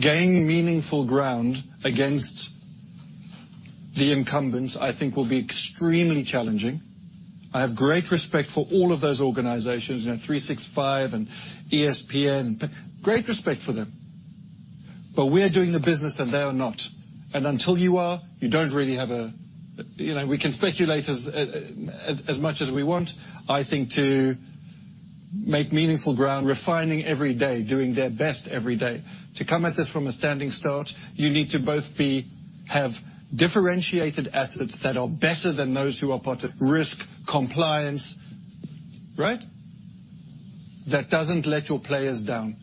gain meaningful ground against the incumbents, I think, will be extremely challenging. I have great respect for all of those organizations, you know, bet365 and ESPN. Great respect for them. But we are doing the business, and they are not. And until you are, you don't really have a... You know, we can speculate as, as, as much as we want. I think to make meaningful ground, refining every day, doing their best every day. To come at this from a standing start, you need to both be, have differentiated assets that are better than those who are part of risk, compliance, right? That doesn't let your players down.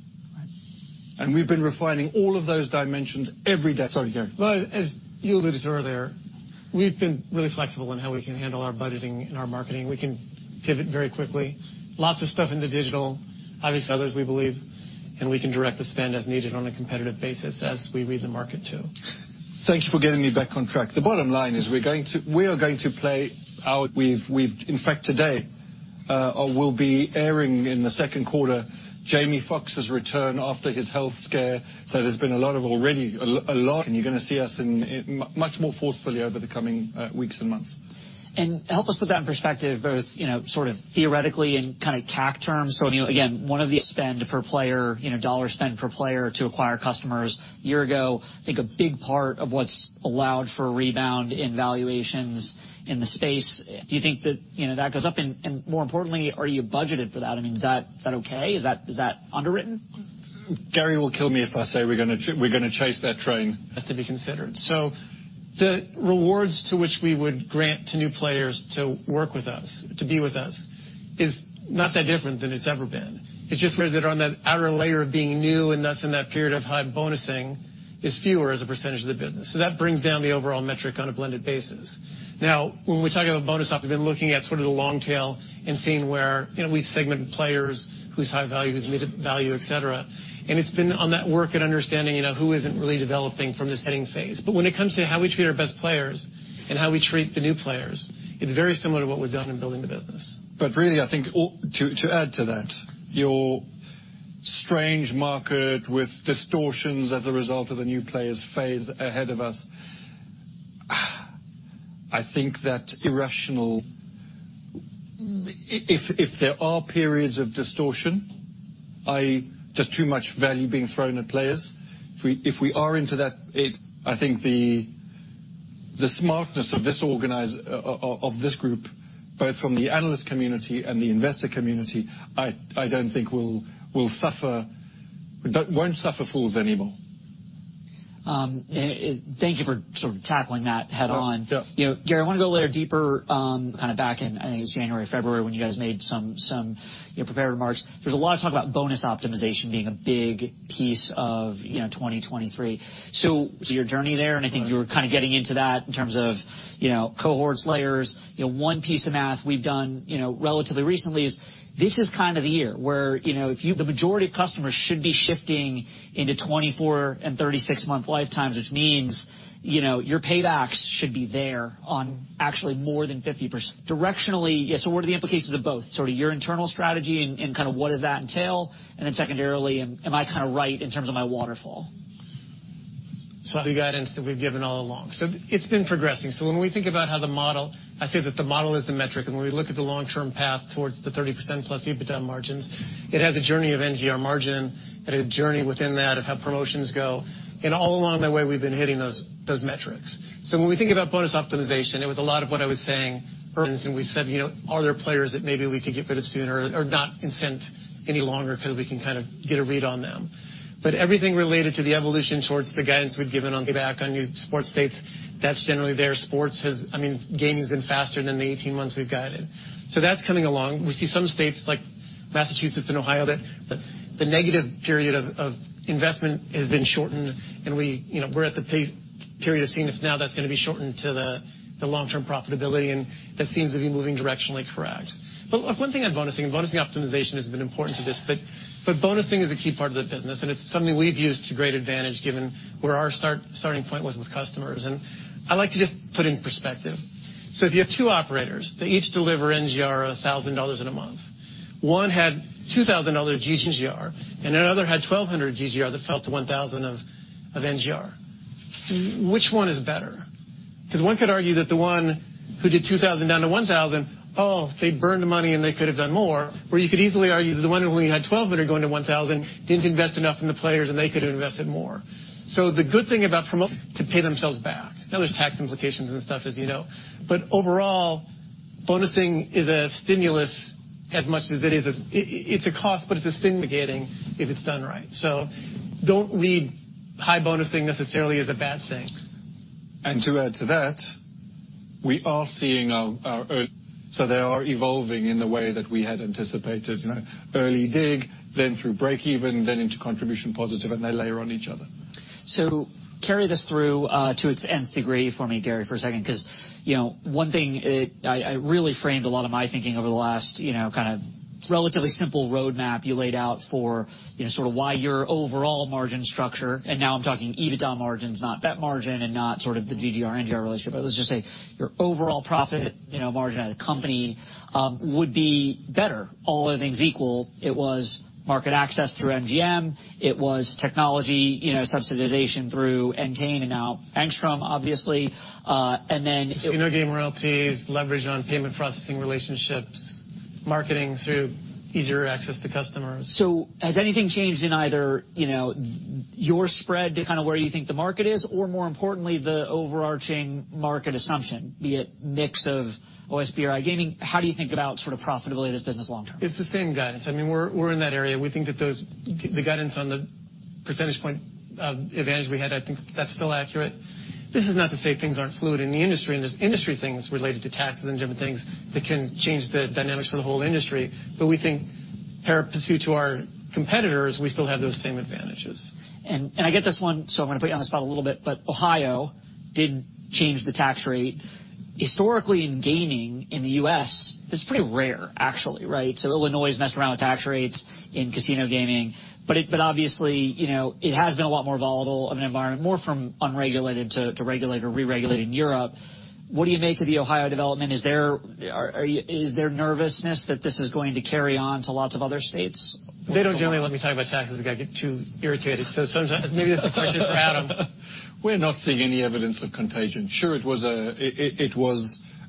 Right. We've been refining all of those dimensions every day. Sorry, Gary. Well, as you alluded to earlier, we've been really flexible in how we can handle our budgeting and our marketing. We can pivot very quickly. Lots of stuff in the digital, obviously, others, we believe, and we can direct the spend as needed on a competitive basis as we read the market, too. Thank you for getting me back on track. The bottom line is we are going to play out. We've, in fact, today, we'll be airing in the second quarter Jamie Foxx's return after his health scare. So there's been a lot already, a lot, and you're going to see us much more forcefully over the coming weeks and months. Help us put that in perspective, both, you know, sort of theoretically and kind of tack terms. Again, one of the spend per player, you know, dollar spend per player to acquire customers. A year ago, I think a big part of what's allowed for a rebound in valuations in the space. Do you think that, you know, that goes up? And, more importantly, are you budgeted for that? I mean, is that okay? Is that underwritten? Gary will kill me if I say we're gonna, we're gonna chase that train. Has to be considered. So the rewards to which we would grant to new players to work with us, to be with us, is not that different than it's ever been. It's just where they're on that outer layer of being new, and thus in that period of high bonusing, is fewer as a percentage of the business. So that brings down the overall metric on a blended basis. Now, when we talk about bonus op, we've been looking at sort of the long tail and seeing where, you know, we've segmented players whose high value, whose mid value, et cetera. And it's been on that work and understanding, you know, who isn't really developing from the setting phase. But when it comes to how we treat our best players and how we treat the new players, it's very similar to what we've done in building the business. But really, I think to add to that, your strange market with distortions as a result of the new players phase ahead of us, I think that irrational. If there are periods of distortion, is just too much value being thrown at players, if we are into that, I think the smartness of this organization of this group, both from the analyst community and the investor community, I don't think will suffer, but won't suffer fools anymore. Thank you for sort of tackling that head-on. Yeah. You know, Gary, I want to go a little deeper, kind of back in, I think it's January, February, when you guys made some, you know, prepared remarks. There's a lot of talk about bonus optimization being a big piece of, you know, 2023. So your journey there, and I think you were kind of getting into that in terms of, you know, cohorts, layers. You know, one piece of math we've done, you know, relatively recently is this is kind of the year where, you know, if you-- the majority of customers should be shifting into 24- and 36-month lifetimes, which means, you know, your paybacks should be there on actually more than 50%. Directionally, so what are the implications of both? Sort of your internal strategy and, and kind of what does that entail? And then secondarily, am I kind of right in terms of my waterfall? So the guidance that we've given all along. So it's been progressing. So when we think about how the model, I say that the model is the metric, and when we look at the long-term path towards the 30%+ EBITDA margins, it has a journey of NGR margin and a journey within that of how promotions go. And all along the way, we've been hitting those, those metrics. So when we think about bonus optimization, it was a lot of what I was saying, and we said: You know, are there players that maybe we could get rid of sooner or not incent any longer because we can kind of get a read on them? But everything related to the evolution towards the guidance we've given on payback on new sports states, that's generally there. Sports has, I mean, gaming has been faster than the 18 months we've guided. So that's coming along. We see some states like Massachusetts and Ohio, that the negative period of investment has been shortened and we, you know, we're at the pace period of seeing if now that's going to be shortened to the long-term profitability and That seems to be moving directionally correct. But, look, one thing on bonusing, and bonusing optimization has been important to this, but, but bonusing is a key part of the business, and it's something we've used to great advantage, given where our start, starting point was with customers. And I like to just put it in perspective. So if you have two operators, they each deliver NGR of $1,000 in a month. One had $2,000 GGR, and another had $1,200 GGR that fell to $1,000 of, of NGR. Which one is better? Because one could argue that the one who did $2,000 down to $1,000, oh, they burned money, and they could have done more. Or you could easily argue that the one who only had 1,200 going to 1,000 didn't invest enough in the players, and they could have invested more. So the good thing about promo to pay themselves back. Now, there's tax implications and stuff, as you know, but overall, bonusing is a stimulus as much as it is a... It's a cost, but it's stimulating if it's done right. So don't read high bonusing necessarily as a bad thing. To add to that, we are seeing, so they are evolving in the way that we had anticipated, you know, early dig, then through break even, then into contribution positive, and they layer on each other. So carry this through to its nth degree for me, Gary, for a second, because, you know, one thing, it, I, I really framed a lot of my thinking over the last, you know, kind of relatively simple roadmap you laid out for, you know, sort of why your overall margin structure, and now I'm talking EBITDA margins, not bet margin and not sort of the GGR, NGR relationship, but let's just say, your overall profit, you know, margin at a company, would be better. All other things equal, it was market access through MGM, it was technology, you know, subsidization through Entain and now Angstrom, obviously, and then- Casino game royalties, leverage on payment processing relationships, marketing through easier access to customers. So has anything changed in either, you know, your spread to kind of where you think the market is, or more importantly, the overarching market assumption, be it mix of OSB or iGaming, how do you think about sort of profitability of this business long term? It's the same guidance. I mean, we're, we're in that area. We think that those, the guidance on the percentage point advantage we had, I think that's still accurate. This is not to say things aren't fluid in the industry, and there's industry things related to taxes and different things that can change the dynamics for the whole industry. We think, pari passu to our competitors, we still have those same advantages. I get this one, so I'm going to put you on the spot a little bit, but Ohio did change the tax rate. Historically, in gaming in the U.S., this is pretty rare, actually, right? So Illinois messed around with tax rates in casino gaming, but obviously, you know, it has been a lot more volatile of an environment, more from unregulated to regulate or reregulate in Europe. What do you make of the Ohio development? Is there nervousness that this is going to carry on to lots of other states? They don't generally let me talk about taxes, they get too irritated. So sometimes, maybe that's a question for Adam. We're not seeing any evidence of contagion. Sure, it was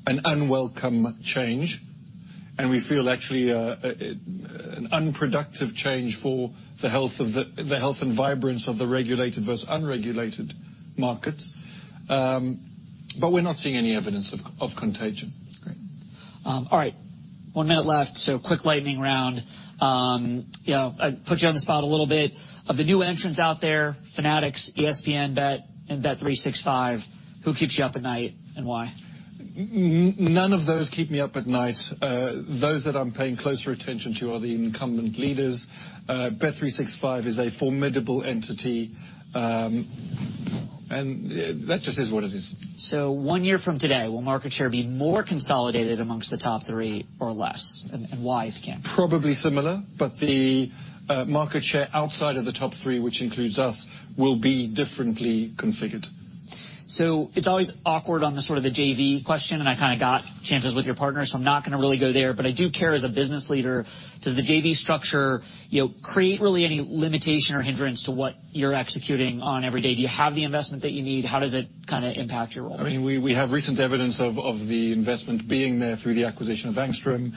an unwelcome change, and we feel actually an unproductive change for the health and vibrancy of the regulated versus unregulated markets. But we're not seeing any evidence of contagion. Great. All right, one minute left, so quick lightning round. You know, I put you on the spot a little bit. Of the new entrants out there, Fanatics, ESPN BET, and bet365, who keeps you up at night, and why? None of those keep me up at night. Those that I'm paying closer attention to are the incumbent leaders. bet365 is a formidable entity, and that just is what it is. One year from today, will market share be more consolidated among the top three or less? And why, if you can. Probably similar, but the market share outside of the top three, which includes us, will be differently configured. So it's always awkward on the sort of the JV question, and I kind of got chances with your partner, so I'm not going to really go there. But I do care as a business leader, does the JV structure, you know, create really any limitation or hindrance to what you're executing on every day? Do you have the investment that you need? How does it kind of impact your role? I mean, we have recent evidence of the investment being there through the acquisition of Angstrom.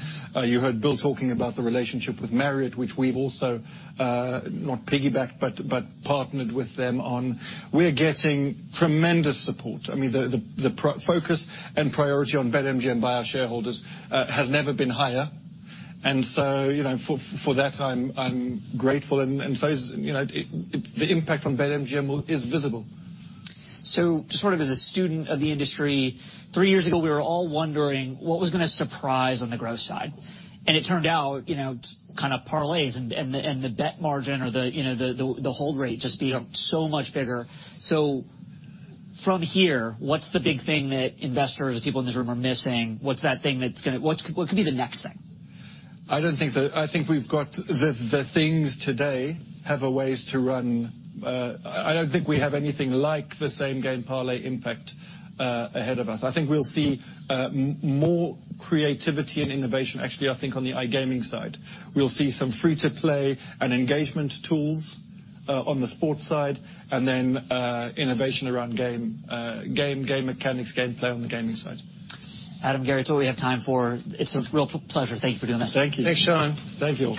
You heard Bill talking about the relationship with Marriott, which we've also not piggybacked, but partnered with them on. We're getting tremendous support. I mean, the focus and priority on BetMGM by our shareholders has never been higher. And so, you know, for that, I'm grateful, and so is, you know... The impact on BetMGM is visible. Just sort of as a student of the industry, three years ago, we were all wondering what was going to surprise on the growth side. It turned out, you know, kind of parlays and the bet margin or the, you know, the hold rate just being so much bigger. From here, what's the big thing that investors or people in this room are missing? What's that thing that's gonna... What could be the next thing? I think we've got the things today have a ways to run. I don't think we have anything like the same game parlay impact ahead of us. I think we'll see more creativity and innovation, actually, I think, on the iGaming side. We'll see some free-to-play and engagement tools on the sports side, and then innovation around game mechanics, game play on the gaming side. Adam, Gary, that's all we have time for. It's a real pleasure. Thank you for doing this. Thank you. Thanks, Shaun. Thank you.